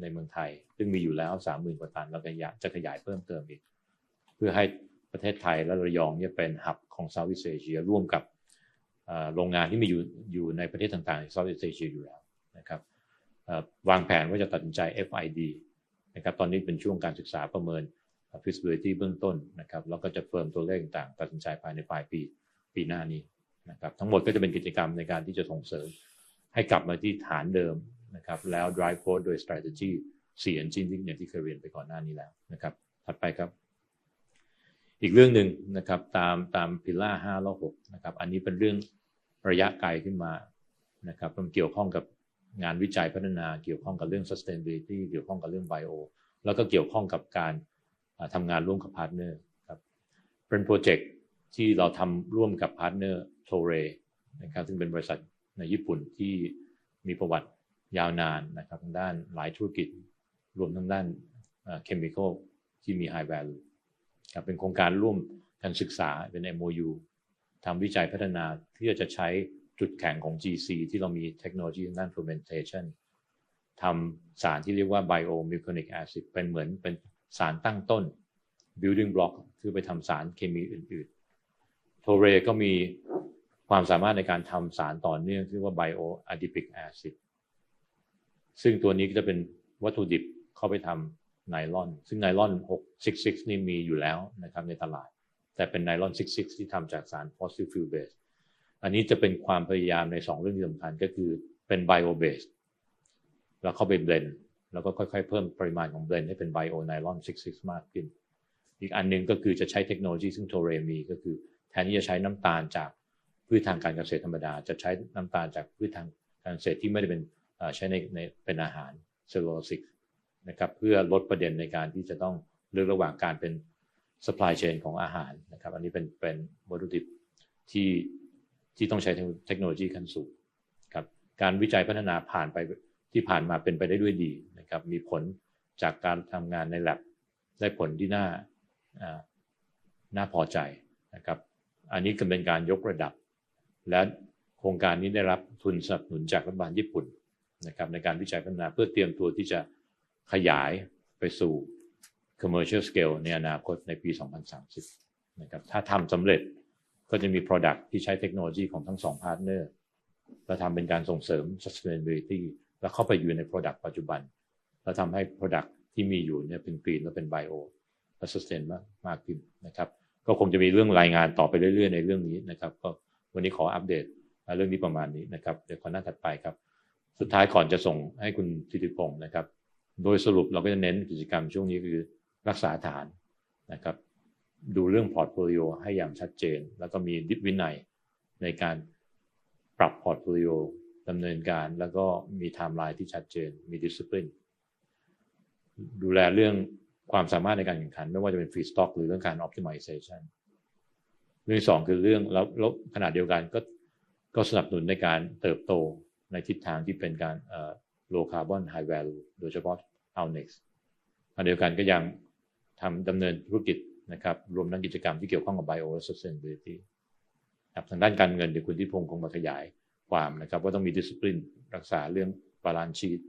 ในเมืองไทยซึ่งมีอยู่แล้ว 30,000 กว่าตันแล้วก็อยากจะขยายเพิ่มเติมอีกเพื่อให้ประเทศไทยและระยองเป็น Hub ของ Southeast Asia ร่วมกับโรงงานที่มีอยู่ในประเทศต่างๆใน Southeast Asia อยู่แล้วนะครับวางแผนว่าจะตัดสินใจ FID นะครับตอนนี้เป็นช่วงการศึกษาประเมิน Feasibility เบื้องต้นนะครับแล้วก็จะเฟิร์มตัวเลขต่างๆตัดสินใจภายในปลายปีปีหน้านี้นะครับทั้งหมดก็จะเป็นกิจกรรมในการที่จะส่งเสริมให้กลับมาที่ฐานเดิมนะครับแล้ว Drive Growth โดย Strategy 4 Engine ที่อย่างที่เคยเรียนไปก่อนหน้านี้แล้วนะครับถัดไปครับอีกเรื่องหนึ่งนะครับตาม Pillar 5และ6นะครับอันนี้เป็นเรื่องระยะไกลขึ้นมานะครับมันเกี่ยวข้องกับงานวิจัยพัฒนาเกี่ยวข้องกับเรื่อง Sustainability เกี่ยวข้องกับเรื่อง Bio แล้วก็เกี่ยวข้องกับการทำงานร่วมกับพาร์ทเนอร์ครับเป็นโปรเจคที่เราทำร่วมกับพาร์ทเนอร์ TORAY นะครับซึ่งเป็นบริษัทในญี่ปุ่นที่มีประวัติยาวนานนะครับทางด้านหลายธุรกิจรวมทั้งด้าน Chemical ที่มี High Value ครับเป็นโครงการร่วมกันศึกษาเป็น MOU ทำวิจัยพัฒนาที่จะใช้จุดแข็งของ GC ที่เรามีเทคโนโลยีทางด้าน Fermentation ทำสารที่เรียกว่า Bio-malic Acid เป็นเหมือนเป็นสารตั้งต้น Building Block เพื่อไปทำสารเคมีอื่นๆ TORAY ก็มีความสามารถในการทำสารต่อเนื่องที่เรียกว่า Bio-adipic Acid ซึ่งตัวนี้ก็จะเป็นวัตถุดิบเข้าไปทำไนลอนซึ่งไนลอน66นี่มีอยู่แล้วนะครับในตลาดแต่เป็นไนลอน66ที่ทำจากสาร Fossil Fuel Base อันนี้จะเป็นความพยายามใน2เรื่องที่สำคัญก็คือเป็น Bio Base แล้วเข้าไป Blend แล้วก็ค่อยๆเพิ่มปริมาณของ Blend ให้เป็น Bio Nylon 66มากขึ้นอีกอันหนึ่งก็คือจะใช้เทคโนโลยีซึ่ง TORAY มีก็คือแทนที่จะใช้น้ำตาลจากพืชทางการเกษตรธรรมดาจะใช้น้ำตาลจากพืชทางการเกษตรที่ไม่ได้ใช้ในเป็นอาหาร Cellulosic นะครับเพื่อลดประเด็นในการที่จะต้องเลือกระหว่างการเป็น Supply Chain ของอาหารนะครับอันนี้เป็นวัตถุดิบที่ต้องใช้เทคโนโลยีขั้นสูงครับการวิจัยพัฒนาที่ผ่านมาเป็นไปได้ด้วยดีนะครับมีผลจากการทำงานในแลบได้ผลที่น่าพอใจนะครับอันนี้ก็เป็นการยกระดับและโครงการนี้ได้รับทุนสนับสนุนจากรัฐบาลญี่ปุ่นนะครับในการวิจัยพัฒนาเพื่อเตรียมตัวที่จะขยายไปสู่ Commercial Scale ในอนาคตในปี2030นะครับถ้าทำสำเร็จก็จะมี Product ที่ใช้เทคโนโลยีของทั้ง2พาร์ทเนอร์แล้วทำเป็นการส่งเสริม Sustainability แล้วเข้าไปอยู่ใน Product ปัจจุบันแล้วทำให้ Product ที่มีอยู่เป็น Green และเป็น Bio และ Sustainable มากขึ้นนะครับก็คงจะมีเรื่องรายงานต่อไปเรื่อยๆในเรื่องนี้นะครับก็วันนี้ขออัปเดตเรื่องนี้ประมาณนี้นะครับสุดท้ายก่อนจะส่งให้คุณสิทธิพงษ์นะครับโดยสรุปเราก็จะเน้นกิจกรรมช่วงนี้คือรักษาฐานนะครับดูเรื่อง Portfolio ให้อย่างชัดเจนแล้วก็มีวินัยในการปรับ Portfolio ดำเนินการแล้วก็มี Timeline ที่ชัดเจนมี Discipline ดูแลเรื่องความสามารถในการแข่งขันไม่ว่าจะเป็น Feedstock หรือเรื่องการ Optimization เรื่องที่2คือขณะเดียวกันก็สนับสนุนในการเติบโตในทิศทางที่เป็นการ Low Carbon High Value โดยเฉพาะ ALLNEX ขณะเดียวกันก็ยังทำดำเนินธุรกิจนะครับรวมทั้งกิจกรรมที่เกี่ยวข้องกับ Bio Sustainability ครับทางด้านการเงินเดี๋ยวคุณสิทธิพงษ์คงมาขยายความนะครับว่าต้องมี Discipline รักษาเรื่อง Balance Sheet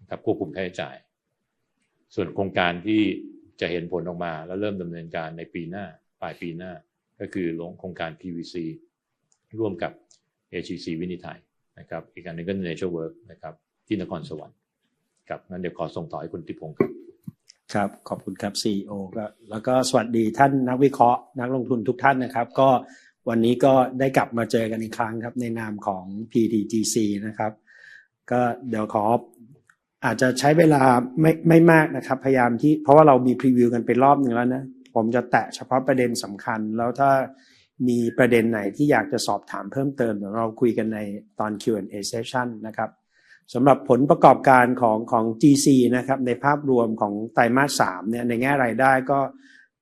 นะครับควบคุมค่าใช้จ่ายส่วนโครงการที่จะเห็นผลออกมาแล้วเริ่มดำเนินการในปีหน้าปลายปีหน้าก็คือโครงการ PVC ร่วมกับ AGC Vinythai นะครับอีกอันหนึ่งก็ Natural Gas ที่นครสวรรค์ครับงั้นเดี๋ยวขอส่งต่อให้คุณสิทธิพงษ์ครับขอบคุณครับ CEO ก็สวัสดีท่านนักวิเคราะห์นักลงทุนทุกท่านนะครับก็วันนี้ก็ได้กลับมาเจอกันอีกครั้งครับในนามของ PTTGC นะครับก็เดี๋ยวขออาจจะใช้เวลาไม่มากนะครับพยายามที่เพราะว่าเรามีพรีวิวกันไปรอบหนึ่งแล้วนะผมจะแตะเฉพาะประเด็นสำคัญแล้วถ้ามีประเด็นไหนที่อยากจะสอบถามเพิ่มเติมเดี๋ยวเราคุยกันในตอน Q&A Session นะครับสำหรับผลประกอบการของ GC นะครับในภาพรวมของไตรมาส3ในแง่รายได้ก็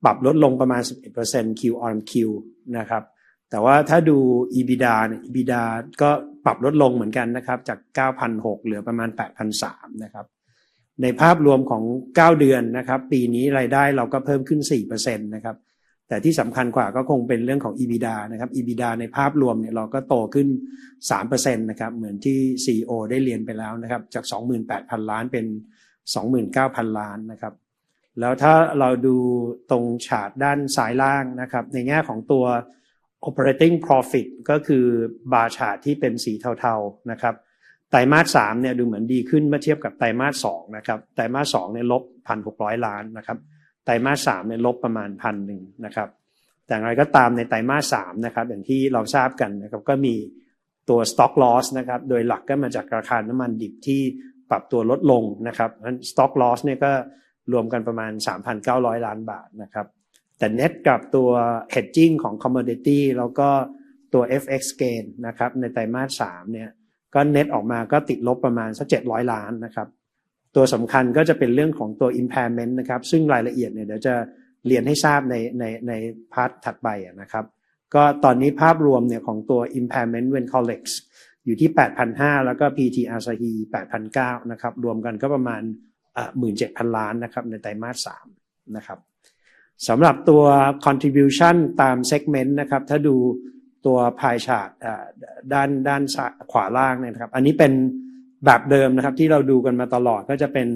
ปรับลดลงประมาณ 11% Q-on-Q นะครับแต่ว่าถ้าดู EBITDA ก็ปรับลดลงเหมือนกันนะครับจาก฿ 9,600 ล้านเหลือประมาณ฿ 8,300 ล้านนะครับในภาพรวมของ9เดือนนะครับปีนี้รายได้เราก็เพิ่มขึ้น 4% นะครับแต่ที่สำคัญกว่าก็คงเป็นเรื่องของ EBITDA นะครับ EBITDA ในภาพรวมเราก็โตขึ้น 3% นะครับเหมือนที่ CEO ได้เรียนไปแล้วนะครับจาก฿ 28,000 ล้านเป็น฿ 29,000 ล้านนะครับแล้วถ้าเราดูตรงฝั่งด้านซ้ายล่างนะครับในแง่ของตัว Operating Profit ก็คือ Bar Chart ที่เป็นสีเทาๆนะครับไตรมาส3ดูเหมือนดีขึ้นเมื่อเทียบกับไตรมาส2นะครับไตรมาส2ลบ฿ 1,600 ล้านนะครับไตรมาส3ลบประมาณ฿ 1,000 ล้านนะครับแต่อย่างไรก็ตามในไตรมาส3นะครับอย่างที่เราทราบกันนะครับก็มีตัว Stock Loss นะครับโด y หลักก็มาจากราคาน้ำมันดิบที่ปรับตัวลดลงนะครับงั้น Stock Loss รวมกันประมาณ฿ 3,900 ล้านนะครับแต่ Net กับตัว Hedging ของ Commodity แล้วก็ตัว FX Gain นะครับในไตรมาส3ก็ Net ออกมาก็ติดลบประมาณสัก฿700ล้านนะครับตัวสำคัญก็จะเป็นเรื่องของตัว Impairment นะครับซึ่งรายละเอียดเดี๋ยวจะเรียนให้ทราบในพาร์ทถัดไปก็ตอนนี้ภาพรวมของตัว Impairment Vinythai Collect อยู่ที่฿ 8,500 ล้านแล้วก็ PTT Asahi ฿ 8,900 ล้านนะครับรวมกันก็ประมาณ฿ 17,000 ล้านนะครับในไตรมาส3นะครับสำหรับตัว Contribution ตาม Segment นะครับถ้าดูตัว Pie Chart ด้านขวาล่างนะครับอันนี้เป็นแบบเดิมนะครับที่เราดูกันมาตลอดก็จะเป็น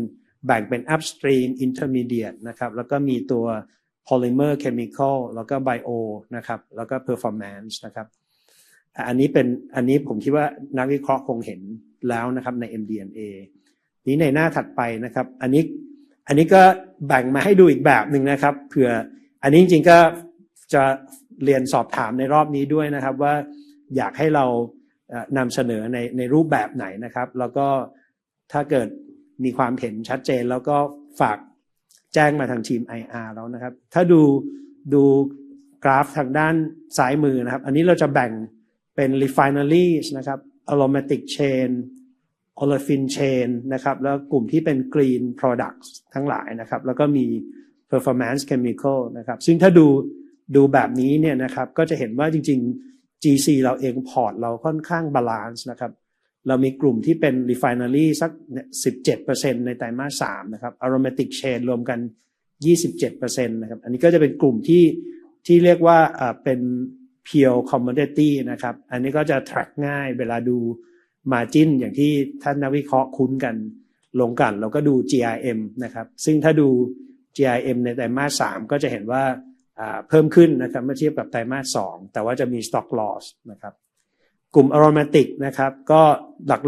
แบ่งเป็น Upstream Intermediate นะครับแล้วก็มีตัว Polymer Chemical แล้วก็ Bio นะครับแล้วก็ Performance นะครับอันนี้ผมคิดว่านักวิเคราะห์คงเห็นแล้วนะครับใน MD&A ในหน้าถัดไปนะครับอันนี้ก็แบ่งมาให้ดูอีกแบบหนึ่งนะครับเผื่ออันนี้จริงๆก็จะเรียนสอบถามในรอบนี้ด้วยนะครับว่าอยากให้เรานำเสนอในรูปแบบไหนนะครับแล้วก็ถ้าเกิดมีความเห็นชัดเจนแล้วก็ฝากแจ้งมาทางทีม IR นะครับถ้าดูกราฟทางด้านซ้ายมือนะครับอันนี้เราจะแบ่งเป็น Refineries นะครับ Aromatic Chain Olefin Chain นะครับแล้วกลุ่มที่เป็น Green Products ทั้งหลายนะครับแล้วก็มี Performance Chemical นะครับซึ่งถ้าดูแบบนี้นะครับก็จะเห็นว่าจริงๆ GC เราเอง Portfolio เราค่อนข้าง Balance นะครับเรามีกลุ่มที่เป็น Refineries สัก 17% ในไตรมาส3นะครับ Aromatic Chain รวมกัน 27% นะครับอันนี้ก็จะเป็นกลุ่มที่เรียกว่าเป็น Pure Commodity นะครับอันนี้ก็จะ Track ง่ายเวลาดู Margin อย่างที่ท่านนักวิเคราะห์คุ้นกันแล้วก็ดู GRM นะครับซึ่งถ้าดู GRM ในไตรมาส3ก็จะเห็นว่าเพิ่มขึ้นนะครับเมื่อเทียบกับไตรมาส2แต่ว่าจะมี Stock Loss นะครับกลุ่ม Aromatic นะครับก็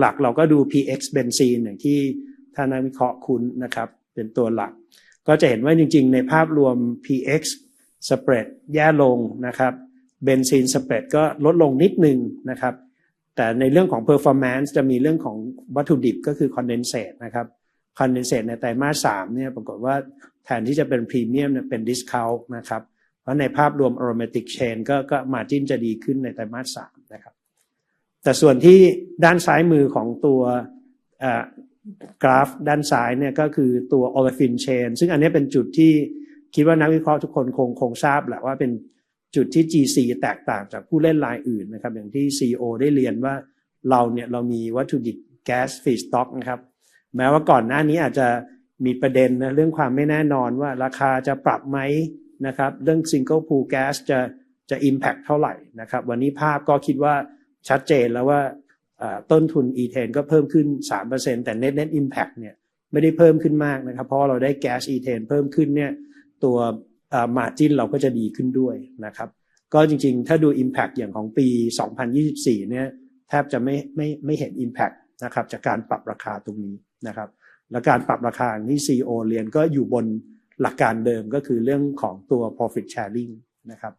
หลักๆเราก็ดู PX เบนซีนอย่างที่ท่านนักวิเคราะห์คุ้นนะครับเป็นตัวหลักก็จะเห็นว่าจริงๆในภาพรวม PX Spread แย่ลงนะครับเบนซีน Spread ก็ลดลงนิดหนึ่งนะครับแต่ในเรื่องของ Performance จะมีเรื่องของวัตถุดิบก็คือ Condensate นะครับ Condensate ในไตรมาส3ปรากฏว่าแทนที่จะเป็น Premium เป็น Discount นะครับเพราะในภาพรวม Aromatic Chain ก็ Margin จะดีขึ้นในไตรมาส3นะครับแต่ส่วนที่ด้านซ้ายมือของตัวกราฟด้านซ้ายก็คือตัว Olefin Chain ซึ่งอันนี้เป็นจุดที่คิดว่านักวิเคราะห์ทุกคนคงทราบแล้วว่าเป็นจุดที่ GC แตกต่างจากผู้เล่นรายอื่นนะครับอย่างที่ CEO ได้เรียนว่าเราเรามีวัตถุดิบ Gas Feedstock นะครับแม้ว่าก่อนหน้านี้อาจจะมีประเด็นเรื่องความไม่แน่นอนว่าราคาจะปรับมั้ยนะครับเรื่อง Single Pool Gas จะ Impact เท่าไหร่นะครับวันนี้ภาพก็คิดว่าชัดเจนแล้วว่าต้นทุน Ethane ก็เพิ่มขึ้น 3% แต่ Net Impact ไม่ได้เพิ่มขึ้นมากนะครับเพราะว่าเราได้ Gas Ethane เพิ่มขึ้นตัว Margin เราก็จะดีขึ้นด้วยนะครับก็จริงๆถ้าดู Impact อย่างของปี2024แทบจะไม่เห็น Impact นะครับจากการปรับราคาตรงนี้นะครับและการปรับราคาอย่างที่ CEO เรียนก็อยู่บนหลักการเดิมก็คือเรื่องของตัว Profit Sharing นะครับ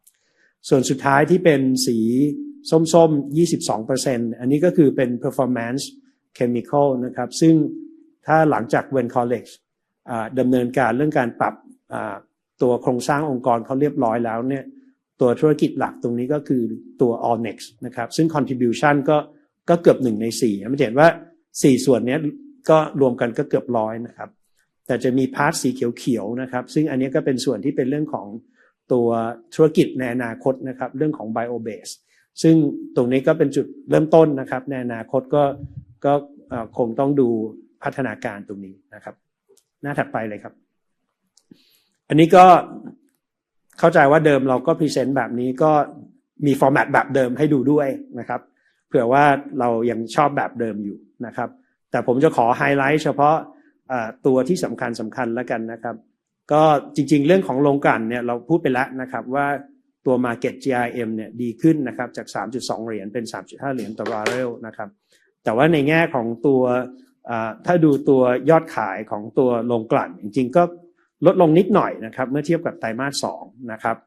ส่วนสุดท้ายที่เป็นสีส้มๆ 22% อันนี้ก็คือเป็น Performance Chemical นะครับซึ่งถ้าหลังจาก Vinythai Collect ดำเนินการเรื่องการปรับตัวโครงสร้างองค์กรเรียบร้อยแล้วตัวธุรกิจหลักตรงนี้ก็คือตัว ALLNEX นะครับซึ่ง Contribution ก็เกือบ1ใน4มันจะเห็นว่า4ส่วนรวมกันก็เกือบ 100% นะครับแต่จะมีพาร์ทสีเขียวๆนะครับซึ่งอันนี้ก็เป็นส่วนที่เป็นเรื่องของตัวธุรกิจในอนาคตนะครับเรื่องของ Bio Base ซึ่งตรงนี้ก็เป็นจุดเริ่มต้นนะครับในอนาคตก็คงต้องดูพัฒนาการตรงนี้นะครับหน้าถัดไปเลยครับอันนี้ก็เข้าใจว่าเดิมเราก็พรีเซนต์แบบนี้ก็มี Format แบบเดิมให้ดูด้วยนะครับเผื่อว่าเรายังชอบแบบเดิมอยู่นะครับแต่ผมจะขอไฮไลท์เฉพาะตัวที่สำคัญๆแล้วกันนะครับก็จริงๆเรื่องของโรงกลั่นเราพูดไปแล้วนะครับว่าตัว Market GRM ดีขึ้นนะครับจาก $3.2 เป็น $3.5 ต่อบาร์เรลนะครับแต่ว่าในแง่ของตัวถ้าดูตัวยอดขายของตัวโรงกลั่นจริงๆก็ลดลงนิดหน่อยนะครับเมื่อเทียบกับไตรมาส2นะครับ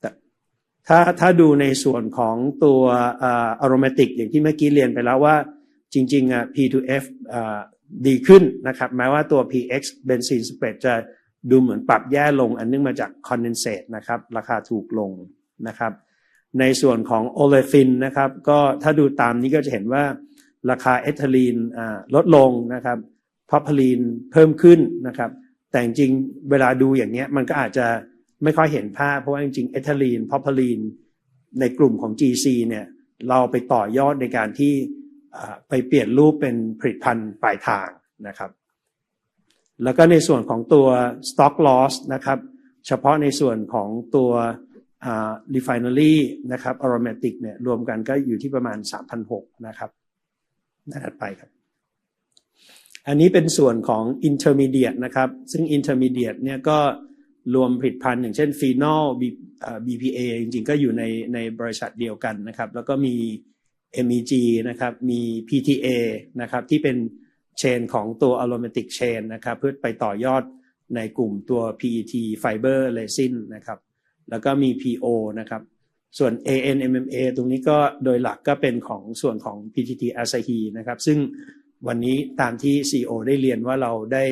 แต่ถ้าดูในส่วนของตัว Aromatic อย่างที่เมื่อกี้เรียนไปแล้วว่าจริงๆ P2F ดีขึ้นนะครับแม้ว่าตัว PX เบนซีน Spread จะดูเหมือนปรับแย่ลงอันเนื่องมาจาก Condensate นะครับราคาถูกลงนะครับในส่วนของ Olefin นะครับก็ถ้าดูตามนี้ก็จะเห็นว่าราคาเอทิลีนลดลงนะครับ Propylene เพิ่มขึ้นนะครับแต่จริงๆเวลาดูอย่างนี้มันก็อาจจะไม่ค่อยเห็นภาพเพราะว่าจริงๆเอทิลีน Propylene ในกลุ่มของ GC เราไปต่อยอดในการที่ไปเปลี่ยนรูปเป็นผลิตภัณฑ์ปลายทางนะครับแล้วก็ในส่วนของตัว Stock Loss นะครับเฉพาะในส่วนของตัว Refineries นะครับ Aromatic รวมกันก็อยู่ที่ประมาณ฿ 3,600 ล้านนะครับหน้าถัดไปครับอันนี้เป็นส่วนของ Intermediate นะครับซึ่ง Intermediate ก็รวมผลิตภัณฑ์อย่างเช่น Phenol BPA จริงๆก็อยู่ในบริษัทเดียวกันนะครับแล้วก็มี MEG นะครับมี PTA นะครับที่เป็น Chain ของตัว Aromatic Chain นะครับเพื่อไปต่อยอดในกลุ่มตัว PET Fiber Resin นะครับแล้วก็มี PO นะครับส่วน ANMMA ตรงนี้ก็โดยหลักก็เป็นของส่วนของ PTT Asahi นะครับซึ่งวันนี้ตามที่ CEO ได้เรียนว่าเราได้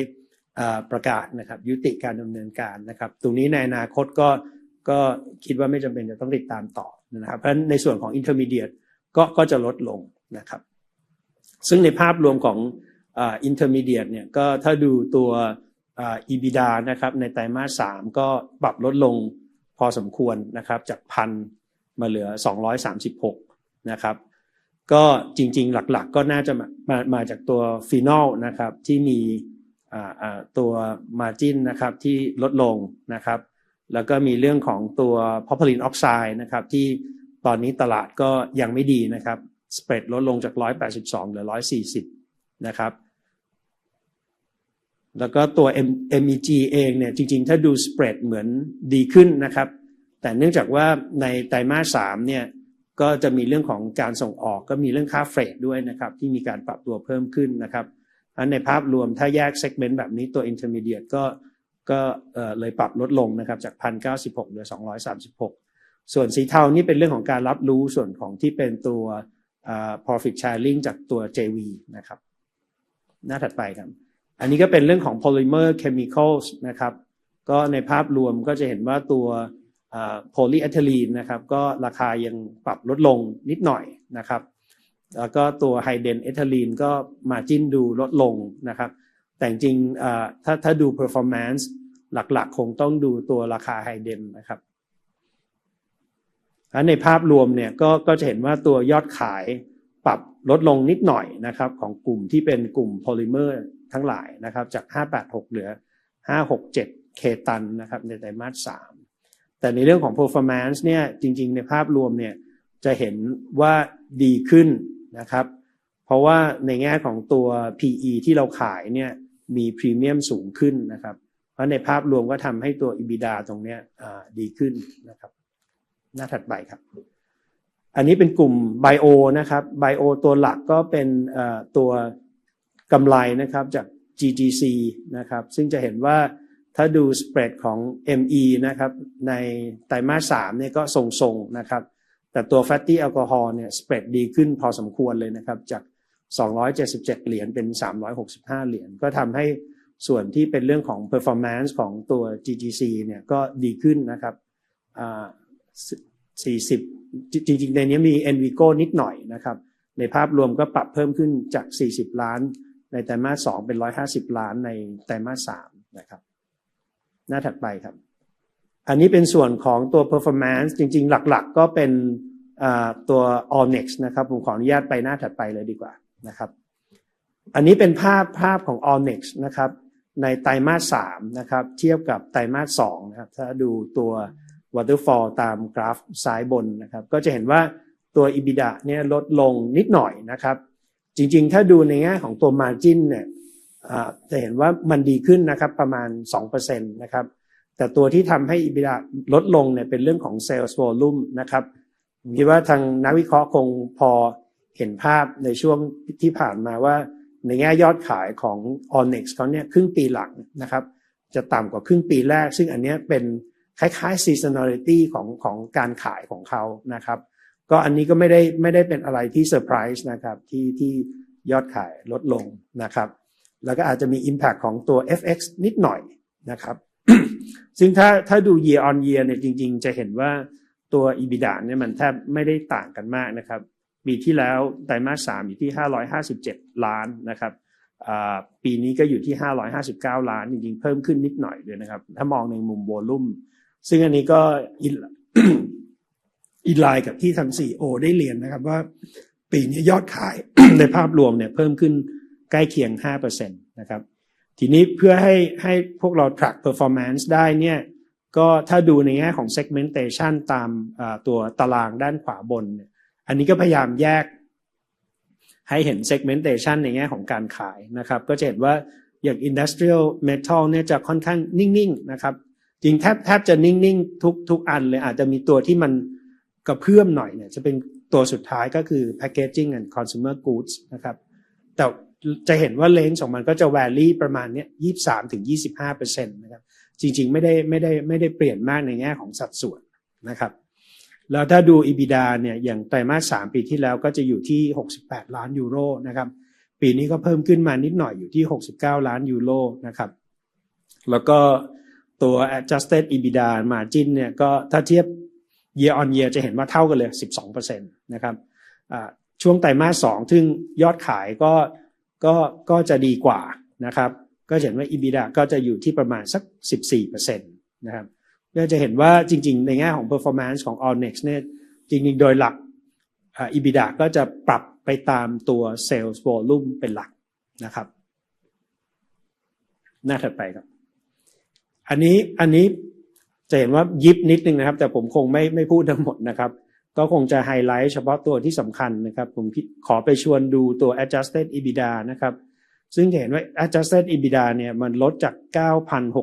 ประกาศนะครับยุติการดำเนินการนะครับตรงนี้ในอนาคตก็คิดว่าไม่จำเป็นจะต้องติดตามต่อนะครับเพราะฉะนั้นในส่วนของ Intermediate ก็จะลดลงนะครับซึ่งในภาพรวมของ Intermediate ก็ถ้าดูตัว EBITDA นะครับในไตรมาส3ก็ปรับลดลงพอสมควรนะครับจาก฿ 1,000 ล้านมาเหลือ฿236ล้านนะครับก็จริงๆหลักๆก็น่าจะมาจากตัว Phenol นะครับที่มีตัว Margin นะครับที่ลดลงนะครับแล้วก็มีเรื่องของตัว Propylene Oxide นะครับที่ตอนนี้ตลาดก็ยังไม่ดีนะครับ Spread ลดลงจาก $182 เหลือ $140 นะครับแล้วก็ตัว MEG เองจริงๆถ้าดู Spread เหมือนดีขึ้นนะครับแต่เนื่องจากว่าในไตรมาส3ก็จะมีเรื่องของการส่งออกก็มีเรื่องค่าเฟรตด้วยนะครับที่มีการปรับตัวเพิ่มขึ้นนะครับเพราะงั้นในภาพรวมถ้าแยก Segment แบบนี้ตัว Intermediate ก็ปรับลดลงนะครับจาก฿ 1,996 ล้านเหลือ฿236ล้านส่วนสีเทานี่เป็นเรื่องของการรับรู้ส่วนของที่เป็นตัว Profit Sharing จากตัว JV นะครับหน้าถัดไปครับอันนี้ก็เป็นเรื่องของ Polymer Chemicals นะครับก็ในภาพรวมก็จะเห็นว่าตัว Polyethylene นะครับก็ราคายังปรับลดลงนิดหน่อยนะครับแล้วก็ตัว High Density Ethylene ก็ Margin ดูลดลงนะครับแต่จริงๆถ้าดู Performance หลักๆคงต้องดูตัวราคา HDPE นะครับเพราะงั้นในภาพรวมก็จะเห็นว่าตัวยอดขายปรับลดลงนิดหน่อยนะครับของกลุ่มที่เป็นกลุ่มโพลิเมอร์ทั้งหลายนะครับจาก586เหลือ567กิโลตันนะครับในไตรมาส3แต่ในเรื่องของ Performance จริงๆในภาพรวมจะเห็นว่าดีขึ้นนะครับเพราะว่าในแง่ของตัว PE ที่เราขายมี Premium สูงขึ้นนะครับเพราะงั้นในภาพรวมก็ทำให้ตัว EBITDA ตรงนี้ดีขึ้นนะครับหน้าถัดไปครับอันนี้เป็นกลุ่ม Bio นะครับ Bio ตัวหลักก็เป็นตัวกำไรนะครับจาก GGC นะครับซึ่งจะเห็นว่าถ้าดู Spread ของ ME นะครับในไตรมาส3ก็ทรงๆนะครับแต่ตัว Fatty Alcohol Spread ดีขึ้นพอสมควรเลยนะครับจาก $277 เป็น $365 ก็ทำให้ส่วนที่เป็นเรื่องของ Performance ของตัว GGC ก็ดีขึ้นนะครับจริงๆในนี้มี NVIGO นิดหน่อยนะครับในภาพรวมก็ปรับเพิ่มขึ้นจาก฿40ล้านในไตรมาส2เป็น฿150ล้านในไตรมาส3นะครับหน้าถัดไปครับอันนี้เป็นส่วนของตัว Performance จริงๆหลักๆก็เป็นตัว ALLNEX นะครับผมขออนุญาตไปหน้าถัดไปเลยดีกว่านะครับอันนี้เป็นภาพของ ALLNEX นะครับในไตรมาส3นะครับเทียบกับไตรมาส2นะครับถ้าดูตัว Waterfall ตามกราฟซ้ายบนนะครับก็จะเห็นว่าตัว EBITDA ลดลงนิดหน่อยนะครับจริงๆถ้าดูในแง่ของตัว Margin จะเห็นว่ามันดีขึ้นนะครับประมาณ 2% นะครับแต่ตัวที่ทำให้ EBITDA ลดลงเป็นเรื่องของ Sales Volume นะครับผมคิดว่าทางนักวิเคราะห์คงพอเห็นภาพในช่วงที่ผ่านมาว่าในแง่ยอดขายของ ALLNEX ครึ่งปีหลังนะครับจะต่ำกว่าครึ่งปีแรกซึ่งอันนี้เป็นคล้ายๆ Seasonality ของการขายของเค้านะครับก็อันนี้ก็ไม่ได้เป็นอะไรที่ Surprise นะครับที่ยอดขายลดลงนะครับแล้วก็อาจจะมี Impact ของตัว FX นิดหน่อยนะครับซึ่งถ้าดู Year-on-Year จริงๆจะเห็นว่าตัว EBITDA แทบไม่ได้ต่างกันมากนะครับปีที่แล้วไตรมาส3อยู่ที่ €557 ล้านนะครับปีนี้ก็อยู่ที่ €559 ล้านจริงๆเพิ่มขึ้นนิดหน่อยด้วยนะครับถ้ามองในมุม Volume ซึ่งอันนี้ก็สอดคล้องกับที่ทาง CEO ได้เรียนนะครับว่าปีนี้ยอดขายในภาพรวมเพิ่มขึ้นใกล้เคียง 5% นะครับเพื่อให้พวกเรา Track Performance ได้ก็ถ้าดูในแง่ของ Segmentation ตามตารางด้านขวาบนนะครับอันนี้ก็พยายามแยกให้เห็น Segmentation ในแง่ของการขายนะครับก็จะเห็นว่าอย่าง Industrial Metal จะค่อนข้างนิ่งๆนะครับจริงๆแทบจะนิ่งๆทุกๆอันเลยอาจจะมีตัวที่มันกระเพื่อมหน่อยจะเป็นตัวสุดท้ายก็คือ Packaging and Consumer Goods นะครับแต่จะเห็นว่า Range ของมันก็จะอยู่ประมาณ 23-25% นะครับจริงๆไม่ได้เปลี่ยนมากในแง่ของสัดส่วนนะครับแล้วถ้าดู EBITDA อย่างไตรมาส3ปีที่แล้วก็จะอยู่ที่ €68 ล้านนะครับปีนี้ก็เพิ่มขึ้นมานิดหน่อยอยู่ที่ €69 ล้านนะครับแล้วก็ตัว Adjusted EBITDA Margin ก็ถ้าเทียบ Year-on-Year จะเห็นว่าเท่ากันเลย 12% นะครับช่วงไตรมาส2ซึ่งยอดขายก็จะดีกว่านะครับก็จะเห็นว่า EBITDA ก็จะอยู่ที่ประมาณสัก 14% นะครับก็จะเห็นว่าจริงๆในแง่ของ Performance ของ ALLNEX จริงๆโดยหลัก EBITDA ก็จะปรับไปตามตัว Sales Volume เป็นหลักนะครับหน้าถัดไปครับอันนี้จะเห็นว่ายิบนิดหนึ่งนะครับแต่ผมคงไม่พูดทั้งหมดนะครับก็คงจะไฮไลท์เฉพาะตัวที่สำคัญนะครับผมขอไปชวนดูตัว Adjusted EBITDA นะครับซึ่งจะเห็นว่า Adjusted EBITDA ลดจาก฿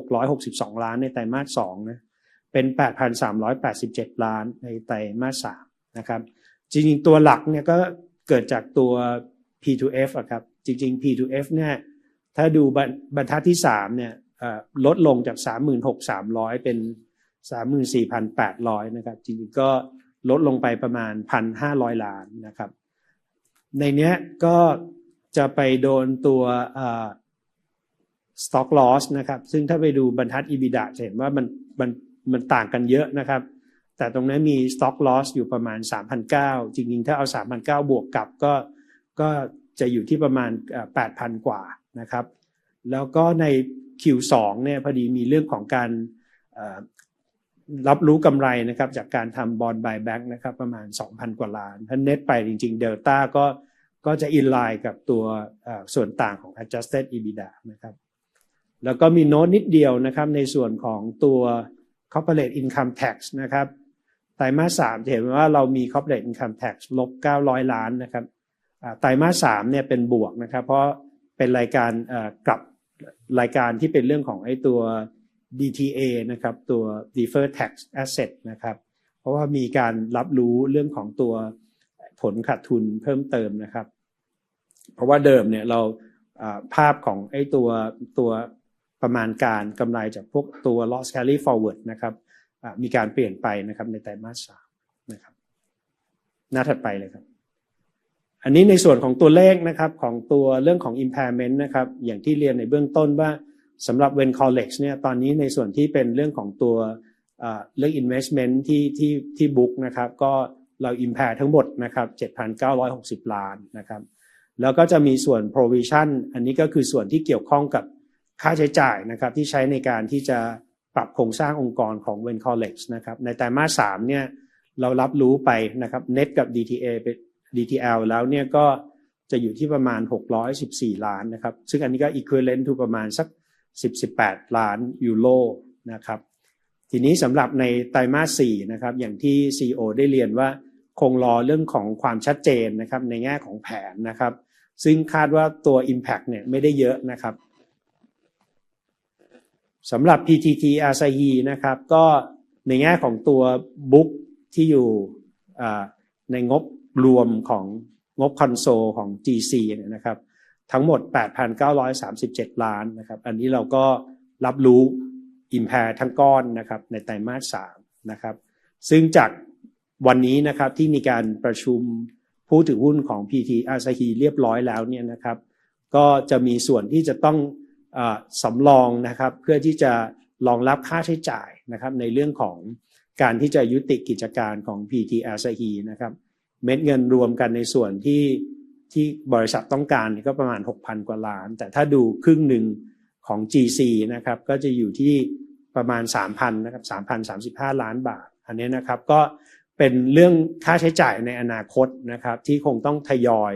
9,662 ล้านในไตรมาส2เป็น฿ 8,387 ล้านในไตรมาส3นะครับจริงๆตัวหลักเกิดจากตัว P2F ครับจริงๆ P2F ถ้าดูบรรทัดที่3ลดลงจาก฿ 36,300 ล้านเป็น฿ 34,800 ล้านนะครับจริงๆก็ลดลงไปประมาณ฿ 1,500 ล้านนะครับในนี้ก็จะไปโดนตัว Stock Loss นะครับซึ่งถ้าไปดูบรรทัด EBITDA จะเห็นว่ามันต่างกันเยอะนะครับแต่ตรงนั้นมี Stock Loss อยู่ประมาณ฿ 3,900 ล้านจริงๆถ้าเอา฿ 3,900 ล้านบวกกลับก็จะอยู่ที่ประมาณ฿ 8,000 กว่านะครับแล้วก็ใน Q2 พอดีมีเรื่องของการรับรู้กำไรนะครับจากการทำ Bond Buyback นะครับประมาณ฿ 2,000 กว่าล้านเพราะงั้น Net ไปจริงๆ Delta ก็จะ In-line กับตัวส่วนต่างของ Adjusted EBITDA นะครับแล้วก็มีโน้ตนิดเดียวนะครับในส่วนของตัว Corporate Income Tax นะครับไตรมาส3จะเห็นว่าเรามี Corporate Income Tax -฿900ล้านนะครับไตรมาส3เป็นบวกนะครับเพราะเป็นรายการกลับรายการที่เป็นเรื่องของไอ้ตัว DTA นะครับตัว Deferred Tax Asset นะครับเพราะว่ามีการรับรู้เรื่องของตัวผลขาดทุนเพิ่มเติมนะครับเพราะว่าเดิมเราภาพของตัวประมาณการกำไรจากพวกตัว Loss Carry Forward นะครับมีการเปลี่ยนไปนะครับในไตรมาส3นะครับหน้าถัดไปเลยครับอันนี้ในส่วนของตัวเลขนะครับของตัวเรื่องของ Impairment นะครับอย่างที่เรียนในเบื้องต้นว่าสำหรับ Vinythai Collect ตอนนี้ในส่วนที่เป็นเรื่องของตัวเรื่อง Investment ที่ Book นะครับก็เรา Impair ทั้งหมดนะครับ฿ 7,960 ล้านนะครับแล้วก็จะมีส่วน Provision อันนี้ก็คือส่วนที่เกี่ยวข้องกับค่าใช้จ่ายนะครับที่ใช้ในการที่จะปรับโครงสร้างองค์กรของ Vinythai Collect นะครับในไตรมาส3เรารับรู้ไปนะครับ Net กับ DTA ไป DTL แล้วก็จะอยู่ที่ประมาณ฿614ล้านนะครับซึ่งอันนี้ก็ Equivalent to ประมาณสัก €10-18 ล้านนะครับสำหรับในไตรมาส4นะครับอย่างที่ CEO ได้เรียนว่าคงรอเรื่องของความชัดเจนนะครับในแง่ของแผนนะครับซึ่งคาดว่าตัว Impact ไม่ได้เยอะนะครับสำหรับ PTT Asahi นะครับก็ในแง่ของตัว Book ที่อยู่ในงบรวมของงบคอนโซลของ GC ทั้งหมด฿ 8,937 ล้านนะครับอันนี้เราก็รับรู้ Impair ทั้งก้อนนะครับในไตรมาส3นะครับซึ่งจากวันนี้นะครับที่มีการประชุมผู้ถือหุ้นของ PTT Asahi เรียบร้อยแล้วก็จะมีส่วนที่จะต้องสำรองนะครับเพื่อที่จะรองรับค่าใช้จ่ายนะครับในเรื่องของการที่จะยุติกิจการของ PTT Asahi นะครับเม็ดเงินรวมกันในส่วนที่บริษัทต้องการก็ประมาณ฿ 6,000 กว่าล้านแต่ถ้าดูครึ่งหนึ่งของ GC นะครับก็จะอยู่ที่ประมาณ฿ 3,035 ล้านนะครับอันนี้นะครับก็เป็นเรื่องค่าใช้จ่ายในอนาคตนะครับที่คงต้องทยอย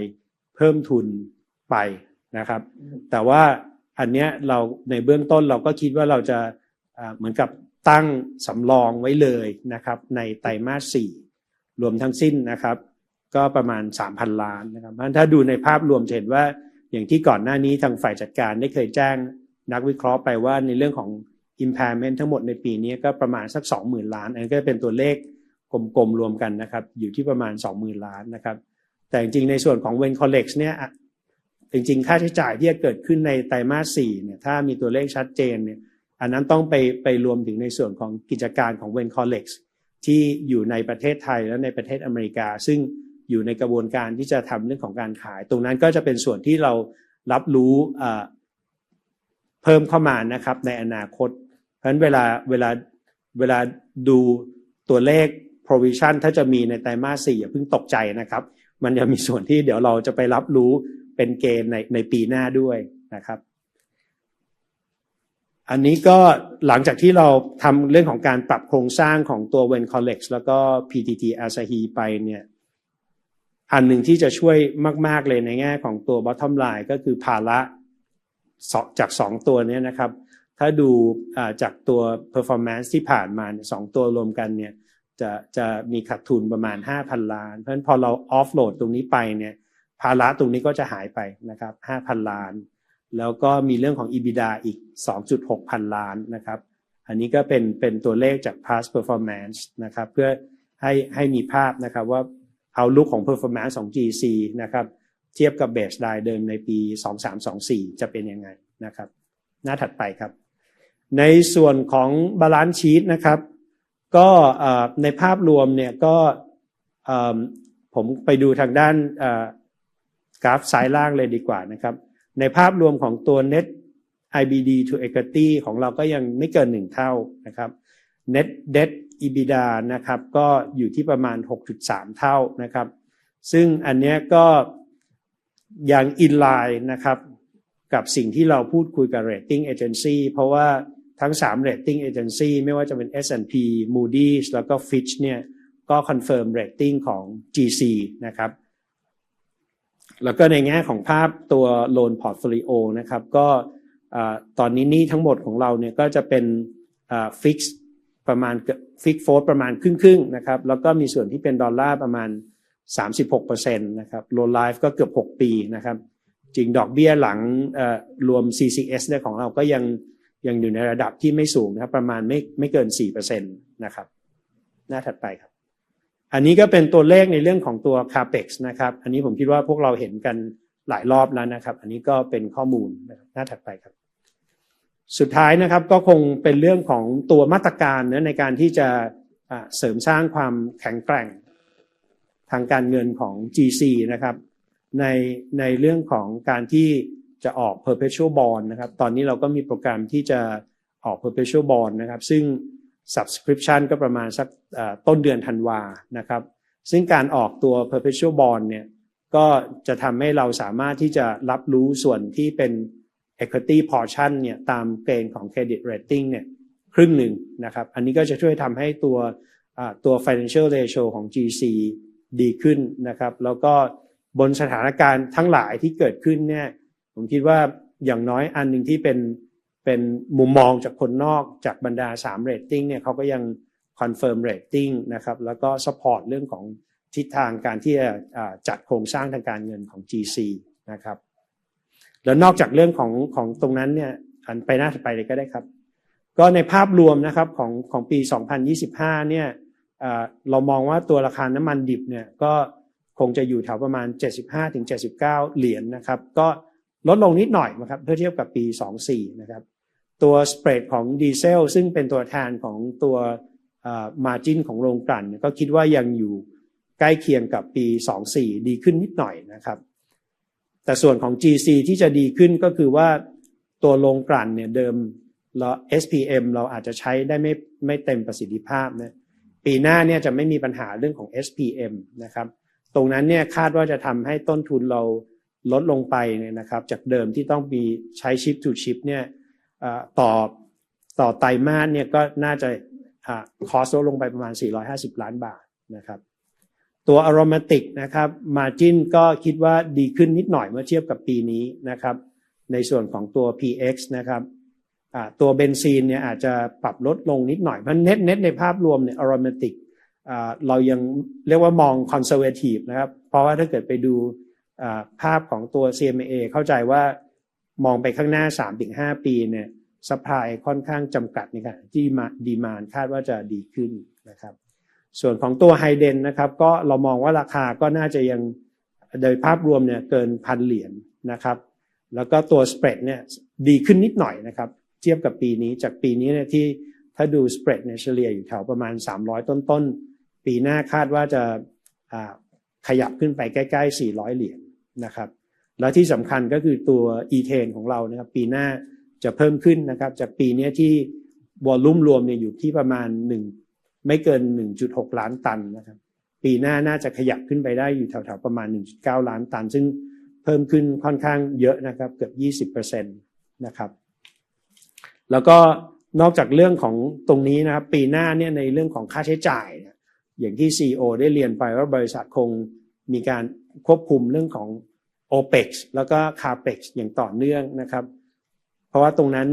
เพิ่มทุนไปนะครับแต่ว่าอันนี้เราในเบื้องต้นเราก็คิดว่าเราจะเหมือนกับตั้งสำรองไว้เลยนะครับในไตรมาส4รวมทั้งสิ้นนะครับก็ประมาณ฿ 3,000 ล้านนะครับเพราะงั้นถ้าดูในภาพรวมจะเห็นว่าอย่างที่ก่อนหน้านี้ทางฝ่ายจัดการได้เคยแจ้งนักวิเคราะห์ไปว่าในเรื่องของ Impairment ทั้งหมดในปีนี้ก็ประมาณสัก฿ 20,000 ล้านอันนั้นก็จะเป็นตัวเลขกลมๆรวมกันนะครับอยู่ที่ประมาณ฿ 20,000 ล้านนะครับแต่จริงๆในส่วนของ Vinythai Collect จริงๆค่าใช้จ่ายที่จะเกิดขึ้นในไตรมาส4ถ้ามีตัวเลขชัดเจนอันนั้นต้องไปรวมถึงในส่วนของกิจการของ Vinythai Collect ที่อยู่ในประเทศไทยและในประเทศอเมริกาซึ่งอยู่ในกระบวนการที่จะทำเรื่องของการขายตรงนั้นก็จะเป็นส่วนที่เรารับรู้เพิ่มเข้ามานะครับในอนาคตเพราะงั้นเวลาดูตัวเลข Provision ถ้าจะมีในไตรมาส4อย่าเพิ่งตกใจนะครับมันยังมีส่วนที่เดี๋ยวเราจะไปรับรู้เป็นเกณฑ์ในปีหน้าด้วยนะครับอันนี้ก็หลังจากที่เราทำเรื่องของการปรับโครงสร้างของตัว Vinythai Collect แล้วก็ PTT Asahi ไปอันหนึ่งที่จะช่วยมากๆเลยในแง่ของตัว Bottom Line ก็คือภาระจาก2ตัวนี้นะครับถ้าดูจากตัว Performance ที่ผ่านมา2ตัวรวมกันจะมีขาดทุนประมาณ฿ 5,000 ล้านเพราะงั้นพอเรา Offload ตรงนี้ไปภาระตรงนี้ก็จะหายไปนะครับ฿ 5,000 ล้านแล้วก็มีเรื่องของ EBITDA อีก฿ 2,600 ล้านนะครับอันนี้ก็เป็นตัวเลขจาก Past Performance นะครับเพื่อให้มีภาพนะครับว่า Outlook ของ Performance ของ GC นะครับเทียบกับ Baseline เดิมในปี2024จะเป็นยังไงนะครับหน้าถัดไปครับในส่วนของ Balance Sheet นะครับก็ในภาพรวมผมไปดูทางด้านกราฟซ้ายล่างเลยดีกว่านะครับในภาพรวมของตัว Net IBD to Equity ของเราก็ยังไม่เกิน1เท่านะครับ Net Debt to EBITDA นะครับก็อยู่ที่ประมาณ 6.3 เท่านะครับซึ่งอันนี้ก็ยัง In-line นะครับกับสิ่งที่เราพูดคุยกับ Rating Agency เพราะว่าทั้ง3 Rating Agency ไม่ว่าจะเป็น S&P Moody's แล้วก็ Fitch ก็ Confirm Rating ของ GC นะครับแล้วก็ในแง่ของภาพตัว Loan Portfolio นะครับก็ตอนนี้หนี้ทั้งหมดของเราก็จะเป็น Fixed ประมาณเกือบครึ่งๆนะครับแล้วก็มีส่วนที่เป็นดอลลาร์ประมาณ 36% นะครับ Loan Life ก็เกือบ6ปีนะครับจริงๆดอกเบี้ยหลังรวม CCS ของเราก็ยังอยู่ในระดับที่ไม่สูงนะครับประมาณไม่เกิน 4% นะครับหน้าถัดไปครับอันนี้ก็เป็นตัวเลขในเรื่องของตัว CAPEX นะครับอันนี้ผมคิดว่าพวกเราเห็นกันหลายรอบแล้วนะครับอันนี้ก็เป็นข้อมูลนะครับหน้าถัดไปครับสุดท้ายนะครับก็คงเป็นเรื่องของตัวมาตรการนะในการที่จะเสริมสร้างความแข็งแกร่งทางการเงินของ GC นะครับในเรื่องของการที่จะออก Perpetual Bond นะครับตอนนี้เราก็มีโปรแกรมที่จะออก Perpetual Bond นะครับซึ่ง Subscription ก็ประมาณสักต้นเดือนธันวาคมนะครับซึ่งการออกตัว Perpetual Bond ก็จะทำให้เราสามารถที่จะรับรู้ส่วนที่เป็น Equity Portion ตามเกณฑ์ของ Credit Rating ครึ่งหนึ่งนะครับอันนี้ก็จะช่วยทำให้ตัว Financial Ratio ของ GC ดีขึ้นนะครับแล้วก็บนสถานการณ์ทั้งหลายที่เกิดขึ้นผมคิดว่าอย่างน้อยอันหนึ่งที่เป็นมุมมองจากคนนอกจากบรรดา3 Rating เค้าก็ยัง Confirm Rating นะครับแล้วก็ Support เรื่องของทิศทางการที่จะจัดโครงสร้างทางการเงินของ GC นะครับหน้าถัดไปเลยก็ได้ครับก็ในภาพรวมนะครับของปี2025เรามองว่าตัวราคาน้ำมันดิบก็คงจะอยู่แถวประมาณ $75-79 ต่อบาร์เรลนะครับก็ลดลงนิดหน่อยนะครับเมื่อเทียบกับปี2024นะครับตัว Spread ของดีเซลซึ่งเป็นตัวแทนของตัว Margin ของโรงกลั่นก็คิดว่ายังอยู่ใกล้เคียงกับปี2024ดีขึ้นนิดหน่อยนะครับแต่ส่วนของ GC ที่จะดีขึ้นก็คือว่าตัวโรงกลั่นเดิมเรา SPM เราอาจจะใช้ได้ไม่เต็มประสิทธิภาพปีหน้าจะไม่มีปัญหาเรื่องของ SPM นะครับตรงนั้นคาดว่าจะทำให้ต้นทุนเราลดลงไปนะครับจากเดิมที่ต้องมีใช้ Shift to Shift ต่อไตรมาสก็น่าจะ Cost ลดลงไปประมาณ฿450ล้านนะครับตัว Aromatic นะครับ Margin ก็คิดว่าดีขึ้นนิดหน่อยเมื่อเทียบกับปีนี้นะครับในส่วนของตัว PX นะครับตัวเบนซีนอาจจะปรับลดลงนิดหน่อยเพราะงั้น Net ในภาพรวม Aromatic เรายังเรียกว่ามอง Conservative นะครับเพราะว่าถ้าเกิดไปดูภาพของตัว CMAI เข้าใจว่ามองไปข้างหน้า 3-5 ปี Supply ค่อนข้างจำกัดในการที่มา Demand คาดว่าจะดีขึ้นนะครับส่วนของตัว HDPE นะครับก็เรามองว่าราคาก็น่าจะยังโดยภาพรวมเกิน $1,000 นะครับแล้วก็ตัว Spread ดีขึ้นนิดหน่อยนะครับเทียบกับปีนี้จากปีนี้ที่ถ้าดู Spread เฉลี่ยอยู่แถวประมาณ $300 ต้นๆปีหน้าคาดว่าจะขยับขึ้นไปใกล้ๆ $400 นะครับแล้วที่สำคัญก็คือตัว Ethane ของเราปีหน้าจะเพิ่มขึ้นนะครับจากปีนี้ที่ Volume รวมอยู่ที่ประมาณไม่เกิน 1.6 ล้านตันนะครับปีหน้าน่าจะขยับขึ้นไปได้อยู่แถวๆประมาณ 1.9 ล้านตันซึ่งเพิ่มขึ้นค่อนข้างเยอะนะครับเกือบ 20% นะครับแล้วก็นอกจากเรื่องของตรงนี้นะครับปีหน้าในเรื่องของค่าใช้จ่ายอย่างที่ CEO ได้เรียนไปว่าบริษัทคงมีการควบคุมเรื่องของ OPEX แล้วก็ CAPEX อย่างต่อเนื่องนะครับเพราะว่าตรงนั้น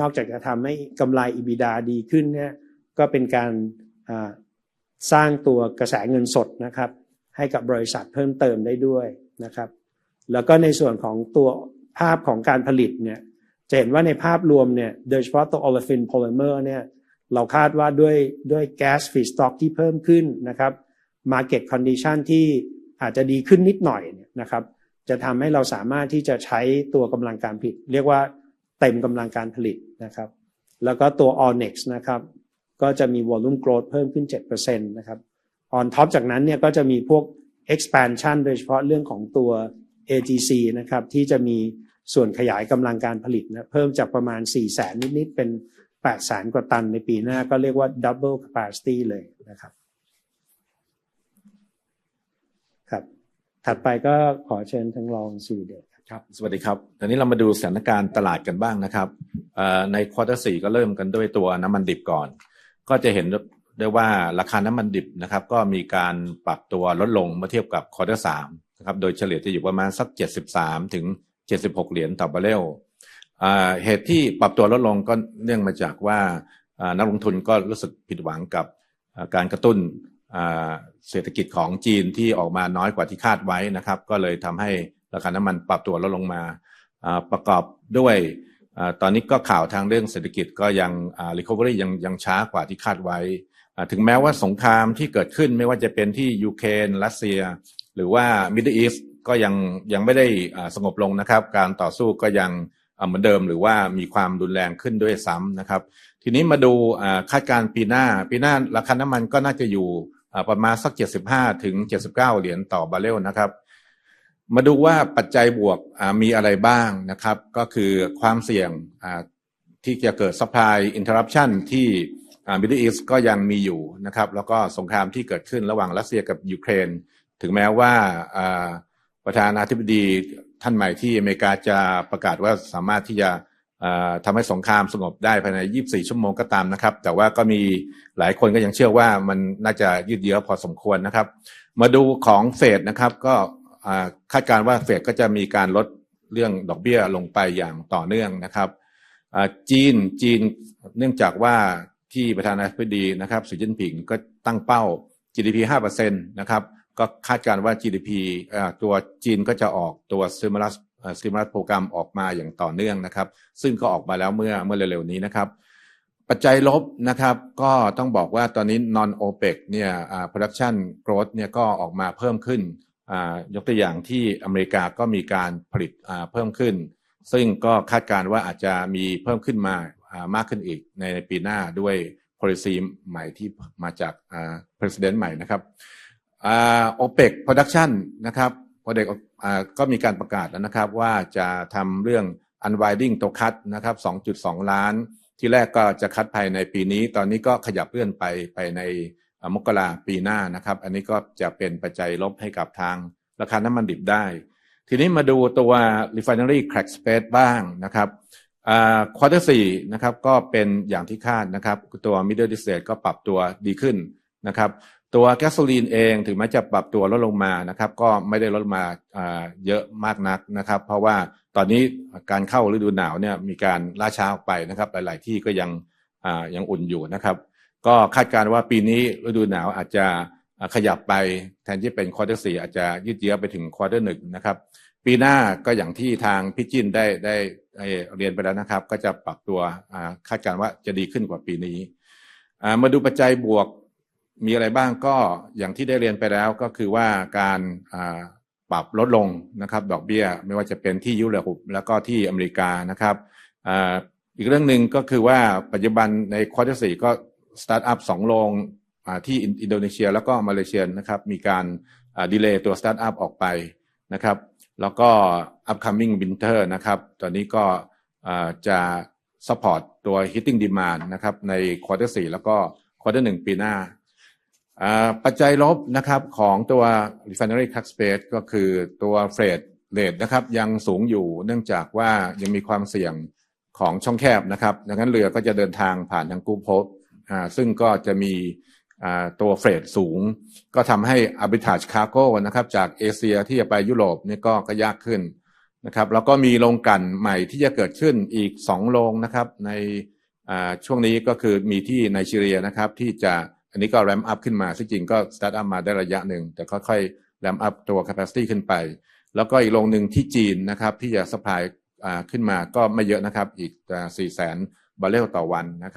นอกจากจะทำให้กำไร EBITDA ดีขึ้นก็เป็นการสร้างตัวกระแสเงินสดนะครับให้กับบริษัทเพิ่มเติมได้ด้วยนะครับแล้วก็ในส่วนของตัวภาพของการผลิตจะเห็นว่าในภาพรวมโดยเฉพาะตัว Olefin Polymer เราคาดว่าด้วย Gas Feedstock ที่เพิ่มขึ้นนะครับ Market Condition ที่อาจจะดีขึ้นนิดหน่อยจะทำให้เราสามารถที่จะใช้ตัวกำลังการผลิตเรียกว่าเต็มกำลังการผลิตนะครับแล้วก็ตัว ALLNEX ก็จะมี Volume Growth เพิ่มขึ้น 7% นะครับ On top จากนั้นก็จะมีพวก Expansion โดยเฉพาะเรื่องของตัว AGC นะครับที่จะมีส่วนขยายกำลังการผลิตเพิ่มจากประมาณ 400,000 นิดๆเป็น 800,000 กว่าตันในปีหน้าก็เรียกว่า Double Capacity เลยนะครับถัดไปก็ขอเชิญทางรอง CEO ครับสวัสดีครับตอนนี้เรามาดูสถานการณ์ตลาดกันบ้างนะครับใน Quarter 4ก็เริ่มกันด้วยตัวน้ำมันดิบก่อนก็จะเห็นได้ว่าราคาน้ำมันดิบนะครับก็มีการปรับตัวลดลงเมื่อเทียบกับ Quarter 3นะครับโดยเฉลี่ยจะอยู่ประมาณสัก $73-76 ต่อบาร์เรลเหตุที่ปรับตัวลดลงก็เนื่องมาจากว่านักลงทุนก็รู้สึกผิดหวังกับการกระตุ้นเศรษฐกิจของจีนที่ออกมาน้อยกว่าที่คาดไว้นะครับก็เลยทำให้ราคาน้ำมันปรับตัวลดลงมาประกอบด้วยตอนนี้ก็ข่าวทางเรื่องเศรษฐกิจก็ยัง Recovery ยังช้ากว่าที่คาดไว้ถึงแม้ว่าสงครามที่เกิดขึ้นไม่ว่าจะเป็นที่ยูเครนรัสเซียหรือว่า Middle East ก็ยังไม่ได้สงบลงนะครับการต่อสู้ก็ยังเหมือนเดิมหรือว่ามีความรุนแรงขึ้นด้วยซ้ำนะครับมาดูคาดการณ์ปีหน้าปีหน้าราคาน้ำมันก็น่าจะอยู่ประมาณสัก $75-79 ต่อบาร์เรลนะครับมาดูว่าปัจจัยบวกมีอะไรบ้างนะครับก็คือความเสี่ยงที่จะเกิด Supply Interruption ที่ Middle East ก็ยังมีอยู่นะครับแล้วก็สงครามที่เกิดขึ้นระหว่างรัสเซียกับยูเครนถึงแม้ว่าประธานาธิบดีท่านใหม่ที่อเมริกาจะประกาศว่าสามารถที่จะทำให้สงครามสงบได้ภายใน24ชั่วโมงก็ตามแต่ว่าก็มีหลายคนก็ยังเชื่อว่ามันน่าจะยืดเยื้อพอสมควรนะครับมาดูของเฟดนะครับก็คาดการณ์ว่าเฟดก็จะมีการลดเรื่องดอกเบี้ยลงไปอย่างต่อเนื่องนะครับจีนเนื่องจากว่าประธานาธิบดีสีจิ้นผิงก็ตั้งเป้า GDP 5% นะครับก็คาดการณ์ว่า GDP ตัวจีนก็จะออกตัว Stimulus Program ออกมาอย่างต่อเนื่องนะครับซึ่งก็ออกมาแล้วเมื่อเร็วๆนี้นะครับปัจจัยลบนะครับก็ต้องบอกว่าตอนนี้ Non-OPEC Production Growth ก็ออกมาเพิ่มขึ้นยกตัวอย่างที่อเมริกาก็มีการผลิตเพิ่มขึ้นซึ่งก็คาดการณ์ว่าอาจจะมีเพิ่มขึ้นมามากขึ้นอีกในปีหน้าด้วย Policy ใหม่ที่มาจาก President ใหม่นะครับ OPEC Production นะครับ OPEC ก็มีการประกาศแล้วนะครับว่าจะทำเรื่อง Unwinding ตัว Cut นะครับ 2.2 ล้านบาร์เรลทีแรกก็จะคัดภายในปีนี้ตอนนี้ก็ขยับเลื่อนไปในมกราคมปีหน้านะครับอันนี้ก็จะเป็นปัจจัยลบให้กับทางราคาน้ำมันดิบได้มาดูตัว Refinery Crack Spread บ้างนะครับ Quarter 4นะครับก็เป็นอย่างที่คาดนะครับตัว Middle Distillate ก็ปรับตัวดีขึ้นนะครับตัวแก๊สโซลีนเองถึงแม้จะปรับตัวลดลงมานะครับก็ไม่ได้ลดลงมาเยอะมากนักเพราะว่าตอนนี้การเข้าฤดูหนาวมีการล่าช้าออกไปนะครับหลายๆที่ก็ยังอุ่นอยู่นะครับก็คาดการณ์ว่าปีนี้ฤดูหนาวอาจจะขยับไปแทนที่จะเป็น Quarter 4อาจจะยืดเยื้อไปถึง Quarter 1ปีหน้านะครับก็อย่างที่ทางพี่สิทธิพงษ์ได้เรียนไปแล้วนะครับก็จะปรับตัวคาดการณ์ว่าจะดีขึ้นกว่าปีนี้มาดูปัจจัยบวกมีอะไรบ้างก็อย่างที่ได้เรียนไปแล้วก็คือว่าการปรับลดลงนะครับดอกเบี้ยไม่ว่าจะเป็นที่ยุโรปแล้วก็ที่อเมริกานะครับอีกเรื่องหนึ่งก็คือว่าปัจจุบันใน Quarter 4ก็ Start-up 2โรงที่อินโดนีเซียแล้วก็มาเลเซียนะครับมีการ Delay ตัว Start-up ออกไปนะครับแล้วก็ Upcoming Winter นะครับตอนนี้ก็จะ Support ตัว Heating Demand นะครับใน Quarter 4แล้วก็ Quarter 1ปีหน้าปัจจัยลบนะครับของตัว Refinery Crack Spread ก็คือตัวเฟรตยังสูงอยู่เนื่องจากว่ายังมีความเสี่ยงของช่องแคบนะครับดังนั้นเรือก็จะเดินทางผ่านทาง Cape of Good Hope ซึ่งก็จะมีตัวเฟรตสูงก็ทำให้ Arbitrage Cargo นะครับจากเอเชียที่จะไปยุโรปก็ยากขึ้นนะครับแล้วก็มีโรงกลั่นใหม่ที่จะเกิดขึ้นอีก2โรงนะครับในช่วงนี้ก็คือมีที่ไนจีเรียนะครับที่จะอันนี้ก็ Ramp-up ขึ้นมาซึ่งจริงก็ Start-up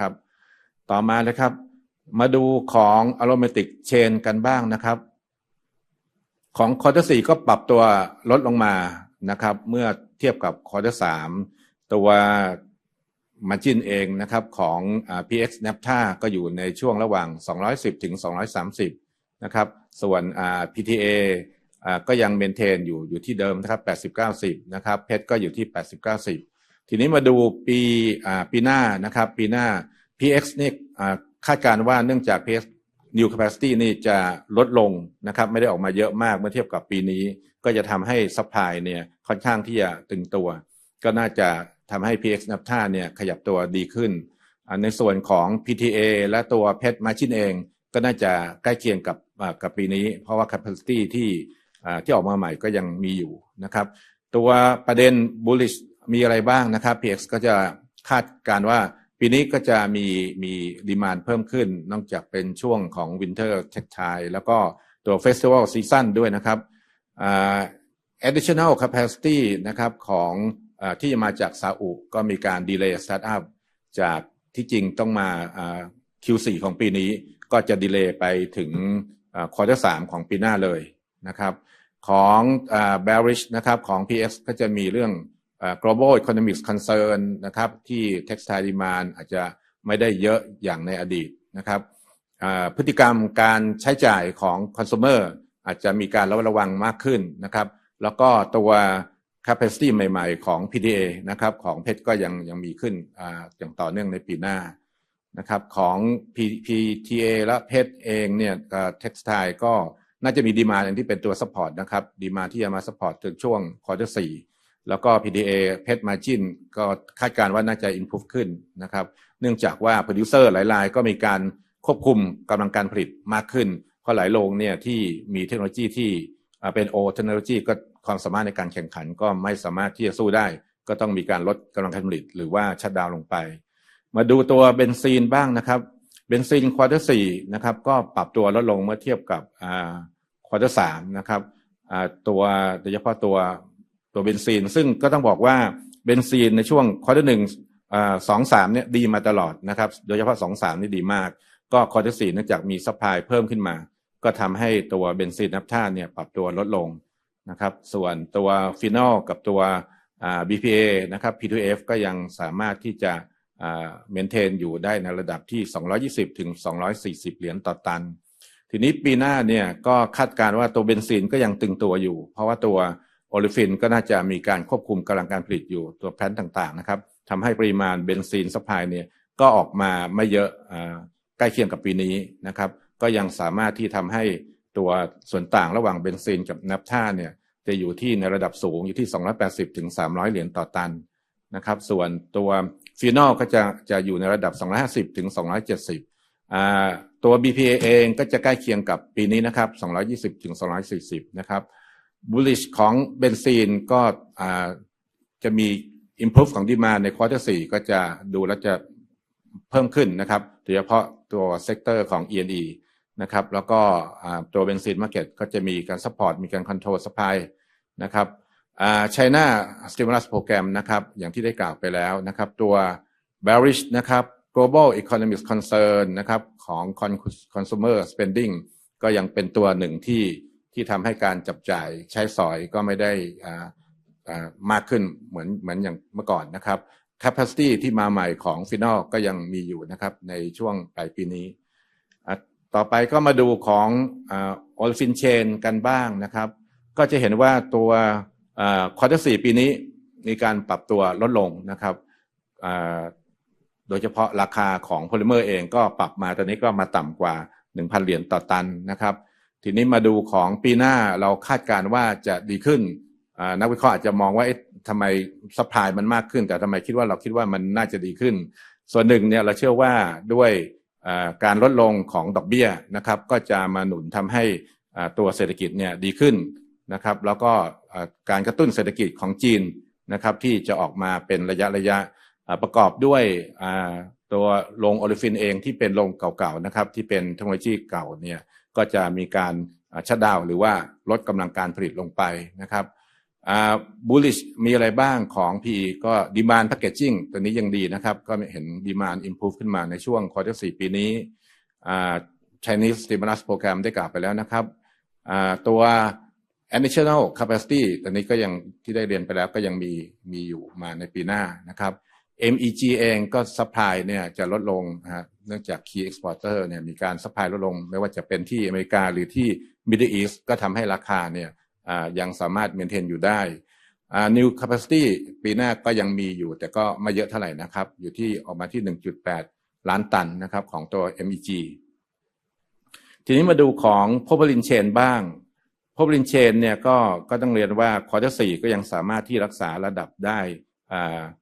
มาได